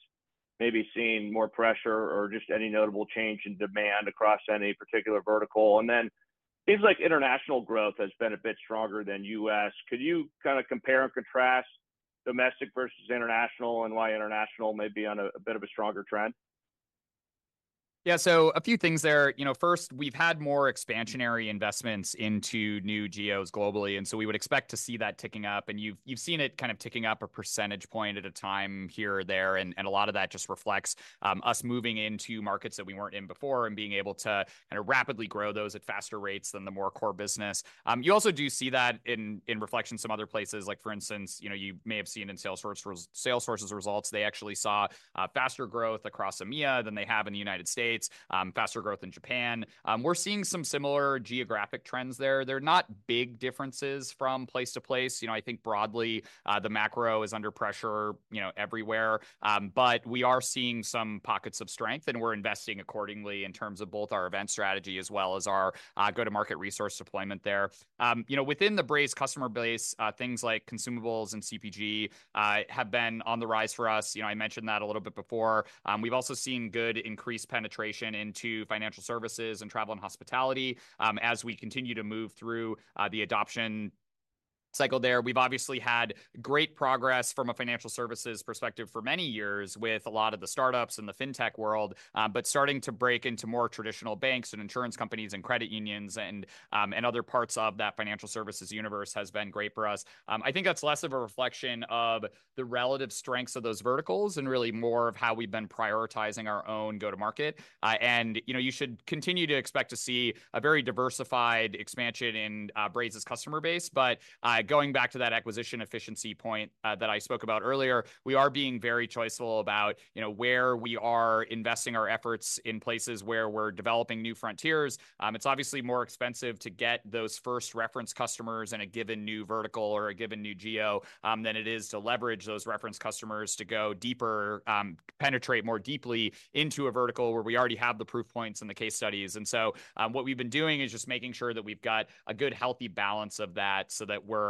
may be seeing more pressure, or just any notable change in demand across any particular vertical? It seems like international growth has been a bit stronger than U.S. Could you kinda compare and contrast domestic versus international, and why international may be on a bit of a stronger trend? Yeah, so a few things there. You know, first, we've had more expansionary investments into new geos globally, and so we would expect to see that ticking up. And you've seen it kind of ticking up a percentage point at a time here or there, and a lot of that just reflects us moving into markets that we weren't in before and being able to kind of rapidly grow those at faster rates than the more core business. You also do see that in reflection some other places, like for instance, you know, you may have seen in Salesforce's results, they actually saw faster growth across EMEA than they have in the United States, faster growth in Japan. We're seeing some similar geographic trends there. They're not big differences from place to place. You know, I think broadly, the macro is under pressure, you know, everywhere. But we are seeing some pockets of strength, and we're investing accordingly in terms of both our event strategy as well as our, go-to-market resource deployment there. You know, within the Braze customer base, things like consumables and CPG, have been on the rise for us. You know, I mentioned that a little bit before. We've also seen good increased penetration into financial services and travel and hospitality, as we continue to move through, the adoption cycle there. We've obviously had great progress from a financial services perspective for many years, with a lot of the startups and the fintech world, but starting to break into more traditional banks and insurance companies and credit unions and other parts of that financial services universe has been great for us. I think that's less of a reflection of the relative strengths of those verticals and really more of how we've been prioritizing our own go-to-market. And, you know, you should continue to expect to see a very diversified expansion in Braze's customer base. But, going back to that acquisition efficiency point that I spoke about earlier, we are being very choiceful about, you know, where we are investing our efforts in places where we're developing new frontiers. It's obviously more expensive to get those first reference customers in a given new vertical or a given new geo, than it is to leverage those reference customers to go deeper, penetrate more deeply into a vertical where we already have the proof points and the case studies. And so, what we've been doing is just making sure that we've got a good, healthy balance of that so that we're,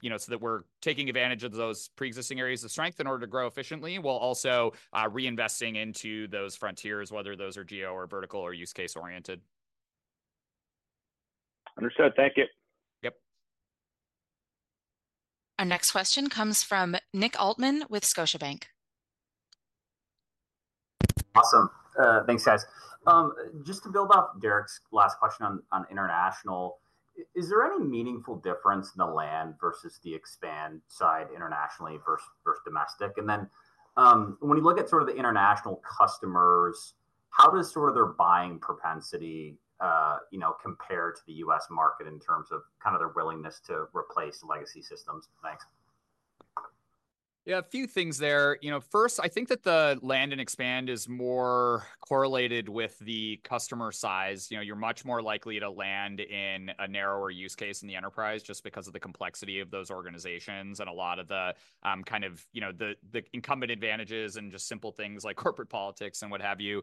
you know, so that we're taking advantage of those preexisting areas of strength in order to grow efficiently, while also, reinvesting into those frontiers, whether those are geo or vertical or use case-oriented. Understood. Thank you. Yep. Our next question comes from Nick Altmann with Scotiabank. Awesome. Thanks, guys. Just to build off Derrick's last question on international, is there any meaningful difference in the land versus the expand side internationally versus domestic? And then, when you look at sort of the international customers, how does sort of their buying propensity, you know, compare to the U.S. market in terms of kind of their willingness to replace legacy systems? Thanks.... Yeah, a few things there. You know, first, I think that the land and expand is more correlated with the customer size. You know, you're much more likely to land in a narrower use case in the enterprise just because of the complexity of those organizations and a lot of the kind of, you know, the incumbent advantages and just simple things like corporate politics and what have you.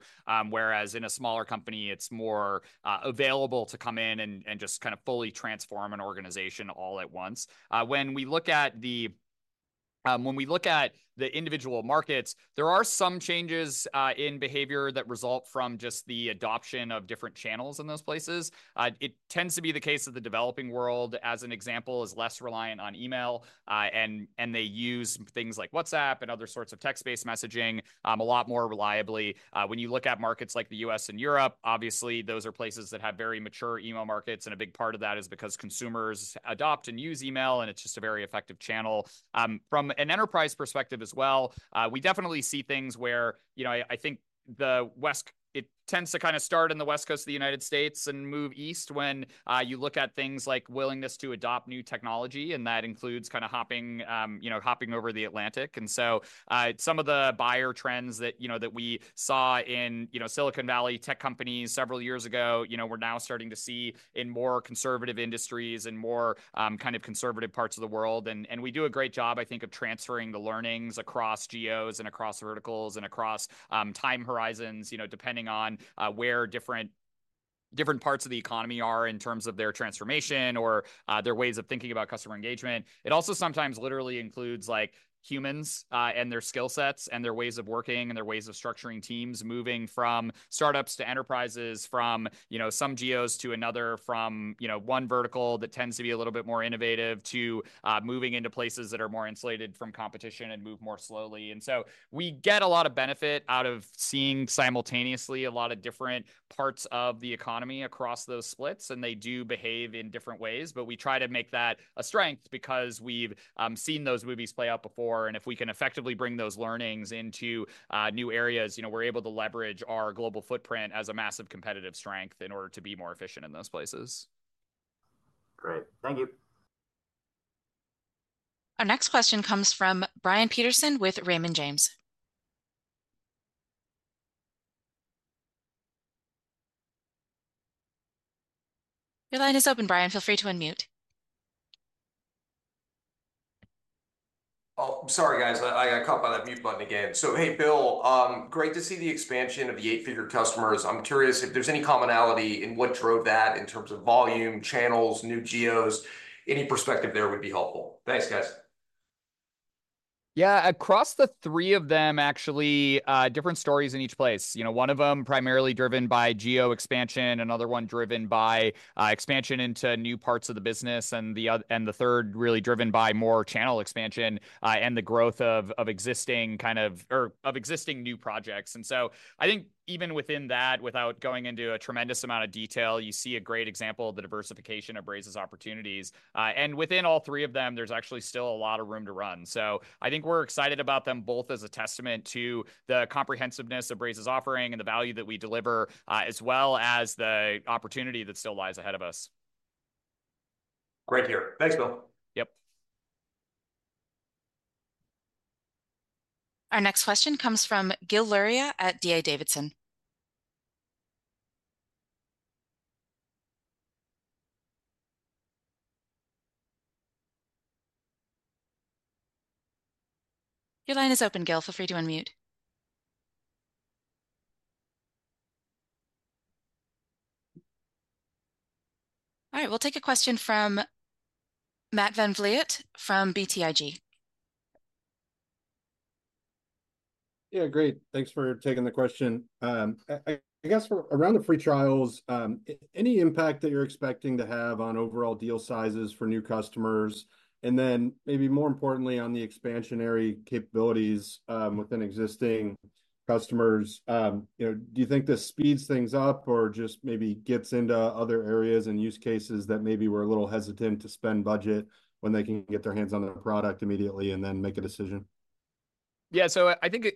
Whereas in a smaller company, it's more available to come in and just kind of fully transform an organization all at once. When we look at the individual markets, there are some changes in behavior that result from just the adoption of different channels in those places. It tends to be the case that the developing world, as an example, is less reliant on email, and they use things like WhatsApp and other sorts of text-based messaging a lot more reliably. When you look at markets like the U.S. and Europe, obviously, those are places that have very mature email markets, and a big part of that is because consumers adopt and use email, and it's just a very effective channel. From an enterprise perspective as well, we definitely see things where, you know, I think it tends to kinda start in the West Coast of the United States and move east when you look at things like willingness to adopt new technology, and that includes kinda hopping, you know, hopping over the Atlantic. And so, some of the buyer trends that, you know, that we saw in, you know, Silicon Valley tech companies several years ago, you know, we're now starting to see in more conservative industries and more, kind of conservative parts of the world. And we do a great job, I think, of transferring the learnings across geos and across verticals and across time horizons, you know, depending on where different parts of the economy are in terms of their transformation or their ways of thinking about customer engagement. It also sometimes literally includes, like, humans, and their skill sets, and their ways of working, and their ways of structuring teams, moving from startups to enterprises, from, you know, some geos to another, from, you know, one vertical that tends to be a little bit more innovative to, moving into places that are more insulated from competition and move more slowly. And so we get a lot of benefit out of seeing simultaneously a lot of different parts of the economy across those splits, and they do behave in different ways. But we try to make that a strength because we've seen those movies play out before, and if we can effectively bring those learnings into, new areas, you know, we're able to leverage our global footprint as a massive competitive strength in order to be more efficient in those places. Great. Thank you. Our next question comes from Brian Peterson with Raymond James. Your line is open, Brian. Feel free to unmute. Oh, sorry, guys, I got caught by that mute button again. So hey, Bill, great to see the expansion of the eight-figure customers. I'm curious if there's any commonality in what drove that in terms of volume, channels, new geos. Any perspective there would be helpful. Thanks, guys. Yeah, across the three of them, actually, different stories in each place. You know, one of them primarily driven by geo expansion, another one driven by expansion into new parts of the business, and the other and the third really driven by more channel expansion, and the growth of existing new projects. So I think even within that, without going into a tremendous amount of detail, you see a great example of the diversification of Braze's opportunities. Within all three of them, there's actually still a lot of room to run. So I think we're excited about them both as a testament to the comprehensiveness of Braze's offering and the value that we deliver, as well as the opportunity that still lies ahead of us. Great to hear. Thanks, Bill. Yep. Our next question comes from Gil Luria at D.A. Davidson. Your line is open, Gil. Feel free to unmute. All right, we'll take a question from Matt VanVliet from BTIG. Yeah, great. Thanks for taking the question. I guess for around the free trials, any impact that you're expecting to have on overall deal sizes for new customers, and then maybe more importantly, on the expansionary capabilities within existing customers? You know, do you think this speeds things up or just maybe gets into other areas and use cases that maybe were a little hesitant to spend budget when they can get their hands on the product immediately and then make a decision? Yeah, so I think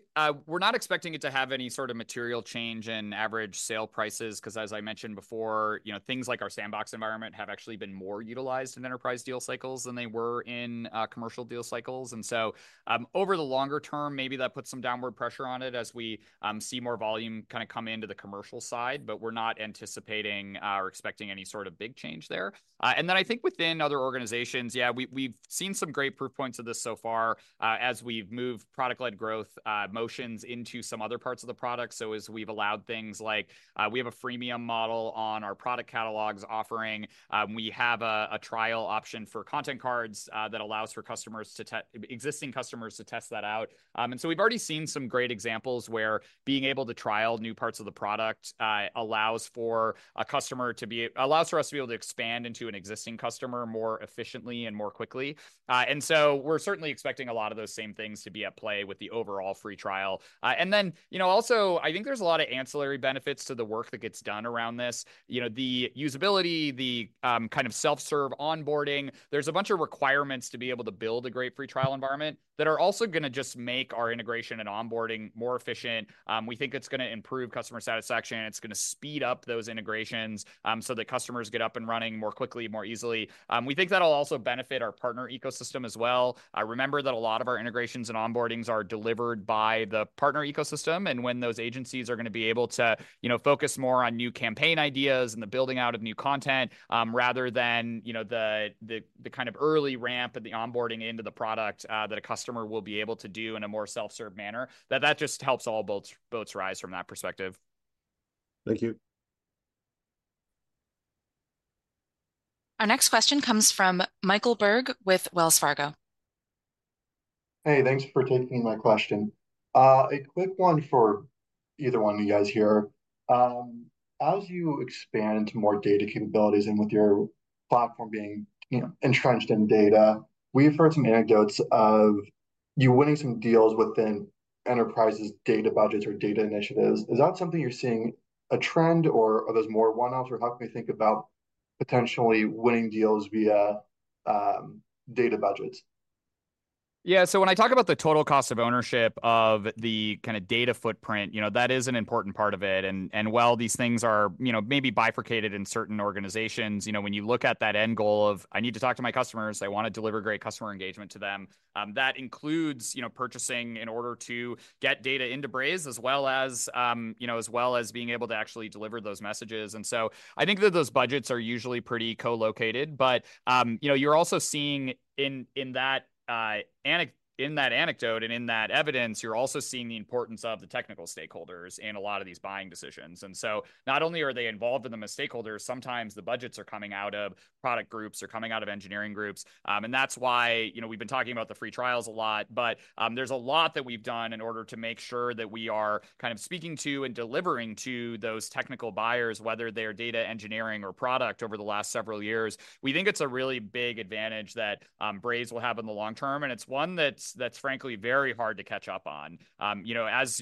we're not expecting it to have any sort of material change in average sale prices, 'cause as I mentioned before, you know, things like our sandbox environment have actually been more utilized in enterprise deal cycles than they were in commercial deal cycles. And so, over the longer term, maybe that puts some downward pressure on it as we see more volume kinda come into the commercial side, but we're not anticipating or expecting any sort of big change there. And then I think within other organizations, yeah, we've seen some great proof points of this so far, as we've moved product-led growth motions into some other parts of the product. So as we've allowed things like, we have a freemium model on our product catalogs offering, we have a trial option for Content Cards, that allows existing customers to test that out. And so we've already seen some great examples where being able to trial new parts of the product allows for us to be able to expand into an existing customer more efficiently and more quickly. And so we're certainly expecting a lot of those same things to be at play with the overall free trial. And then, you know, also, I think there's a lot of ancillary benefits to the work that gets done around this. You know, the usability, kind of self-serve onboarding, there's a bunch of requirements to be able to build a great free trial environment that are also gonna just make our integration and onboarding more efficient. We think it's gonna improve customer satisfaction, it's gonna speed up those integrations, so that customers get up and running more quickly, more easily. We think that'll also benefit our partner ecosystem as well. I remember that a lot of our integrations and onboardings are delivered by the partner ecosystem, and when those agencies are gonna be able to, you know, focus more on new campaign ideas and the building out of new content, rather than, you know, the kind of early ramp and the onboarding into the product, that a customer will be able to do in a more self-serve manner, that just helps all boats rise from that perspective. Thank you.... Our next question comes from Michael Berg with Wells Fargo. Hey, thanks for taking my question. A quick one for either one of you guys here. As you expand into more data capabilities and with your platform being, you know, entrenched in data, we've heard some anecdotes of you winning some deals within enterprises, data budgets or data initiatives. Is that something you're seeing a trend, or are those more one-offs, or how can we think about potentially winning deals via, data budgets? Yeah, so when I talk about the total cost of ownership of the kind of data footprint, you know, that is an important part of it. And, and while these things are, you know, maybe bifurcated in certain organizations, you know, when you look at that end goal of, "I need to talk to my customers, I want to deliver great customer engagement to them," that includes, you know, purchasing in order to get data into Braze, as well as, you know, as well as being able to actually deliver those messages. And so I think that those budgets are usually pretty co-located, but, you know, you're also seeing in that anecdote and in that evidence, you're also seeing the importance of the technical stakeholders in a lot of these buying decisions. And so not only are they involved in them as stakeholders, sometimes the budgets are coming out of product groups or coming out of engineering groups, and that's why, you know, we've been talking about the free trials a lot, but there's a lot that we've done in order to make sure that we are kind of speaking to and delivering to those technical buyers, whether they're data engineering or product over the last several years. We think it's a really big advantage that Braze will have in the long term, and it's one that's frankly very hard to catch up on. You know, as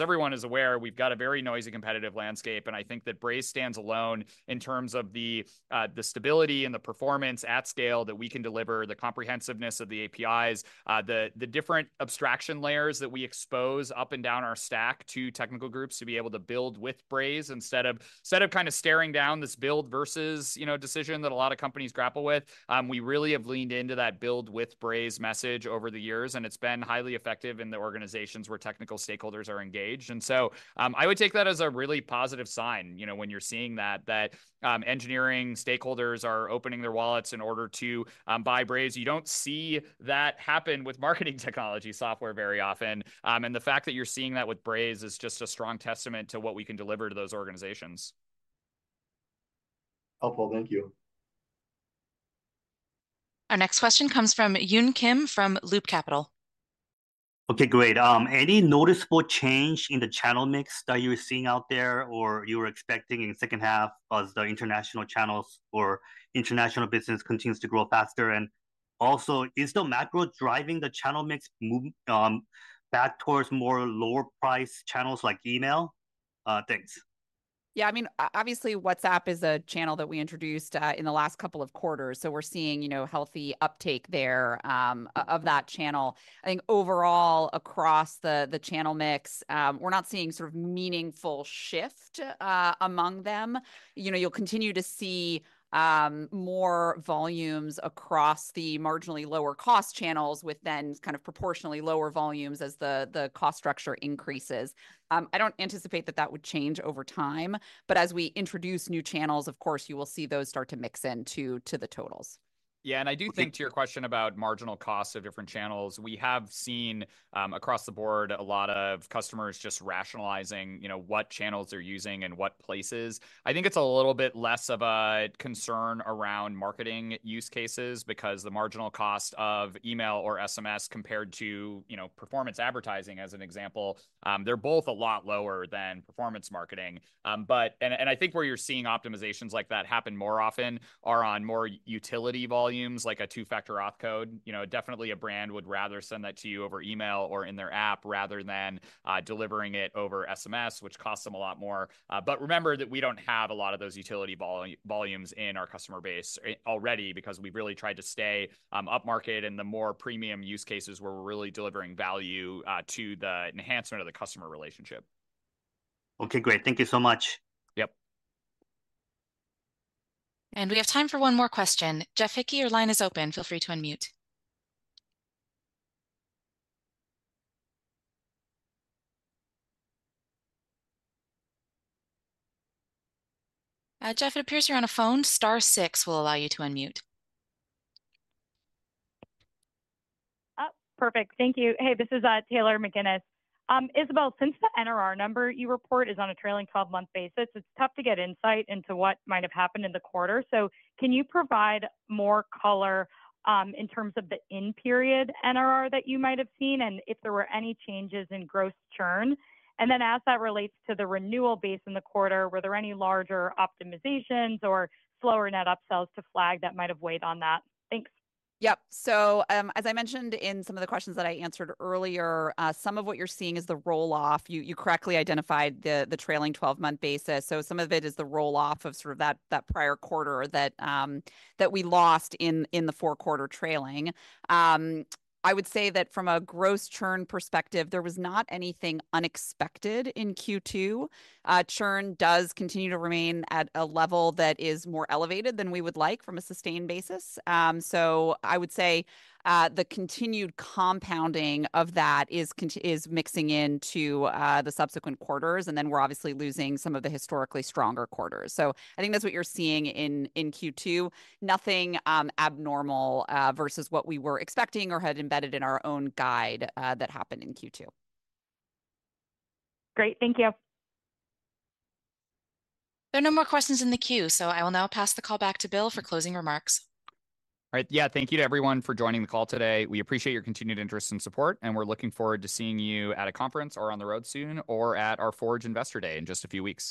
everyone is aware, we've got a very noisy, competitive landscape, and I think that Braze stands alone in terms of the stability and the performance at scale that we can deliver, the comprehensiveness of the APIs, the different abstraction layers that we expose up and down our stack to technical groups to be able to build with Braze. Instead of kind of staring down this build versus, you know, decision that a lot of companies grapple with, we really have leaned into that "Build with Braze" message over the years, and it's been highly effective in the organizations where technical stakeholders are engaged. And so, I would take that as a really positive sign, you know, when you're seeing that engineering stakeholders are opening their wallets in order to buy Braze. You don't see that happen with marketing technology software very often, and the fact that you're seeing that with Braze is just a strong testament to what we can deliver to those organizations. Helpful. Thank you. Our next question comes from Yun Kim, from Loop Capital. Okay, great. Any noticeable change in the channel mix that you are seeing out there, or you are expecting in the second half as the international channels or international business continues to grow faster? And also, is the macro driving the channel mix move back towards more lower-priced channels, like email? Thanks. Yeah, I mean, obviously, WhatsApp is a channel that we introduced in the last couple of quarters, so we're seeing, you know, healthy uptake there of that channel. I think overall, across the channel mix, we're not seeing sort of meaningful shift among them. You know, you'll continue to see more volumes across the marginally lower-cost channels, with then kind of proportionally lower volumes as the cost structure increases. I don't anticipate that that would change over time, but as we introduce new channels, of course you will see those start to mix in to the totals. Yeah, and I do think, to your question about marginal costs of different channels, we have seen across the board, a lot of customers just rationalizing, you know, what channels they're using and what places. I think it's a little bit less of a concern around marketing use cases, because the marginal cost of email or SMS compared to, you know, performance advertising, as an example, they're both a lot lower than performance marketing. But I think where you're seeing optimizations like that happen more often are on more utility volumes, like a two-factor auth code. You know, definitely a brand would rather send that to you over email or in their app, rather than delivering it over SMS, which costs them a lot more. But remember that we don't have a lot of those utility volumes in our customer base already, because we've really tried to stay upmarket in the more premium use cases, where we're really delivering value to the enhancement of the customer relationship. Okay, great. Thank you so much. Yep. We have time for one more question. Jeff Hickey, your line is open. Feel free to unmute. Jeff, it appears you're on a phone. Star six will allow you to unmute. Perfect. Thank you. Hey, this is Taylor McGinnis. Isabelle, since the NRR number you report is on a trailing 12-month basis, it's tough to get insight into what might have happened in the quarter. So can you provide more color in terms of the in-period NRR that you might have seen, and if there were any changes in gross churn? And then, as that relates to the renewal base in the quarter, were there any larger optimizations or slower net upsells to flag that might have weighed on that? Thanks. Yep. So, as I mentioned in some of the questions that I answered earlier, some of what you're seeing is the roll-off. You correctly identified the trailing 12-month basis, so some of it is the roll-off of sort of that prior quarter that we lost in the four-quarter trailing. I would say that from a gross churn perspective, there was not anything unexpected in Q2. Churn does continue to remain at a level that is more elevated than we would like from a sustained basis. So I would say the continued compounding of that is mixing into the subsequent quarters, and then we're obviously losing some of the historically stronger quarters. So I think that's what you're seeing in Q2. Nothing abnormal versus what we were expecting or had embedded in our own guide that happened in Q2. Great. Thank you. There are no more questions in the queue, so I will now pass the call back to Bill for closing remarks. All right. Yeah, thank you to everyone for joining the call today. We appreciate your continued interest and support, and we're looking forward to seeing you at a conference or on the road soon, or at our Forge Investor Day in just a few weeks.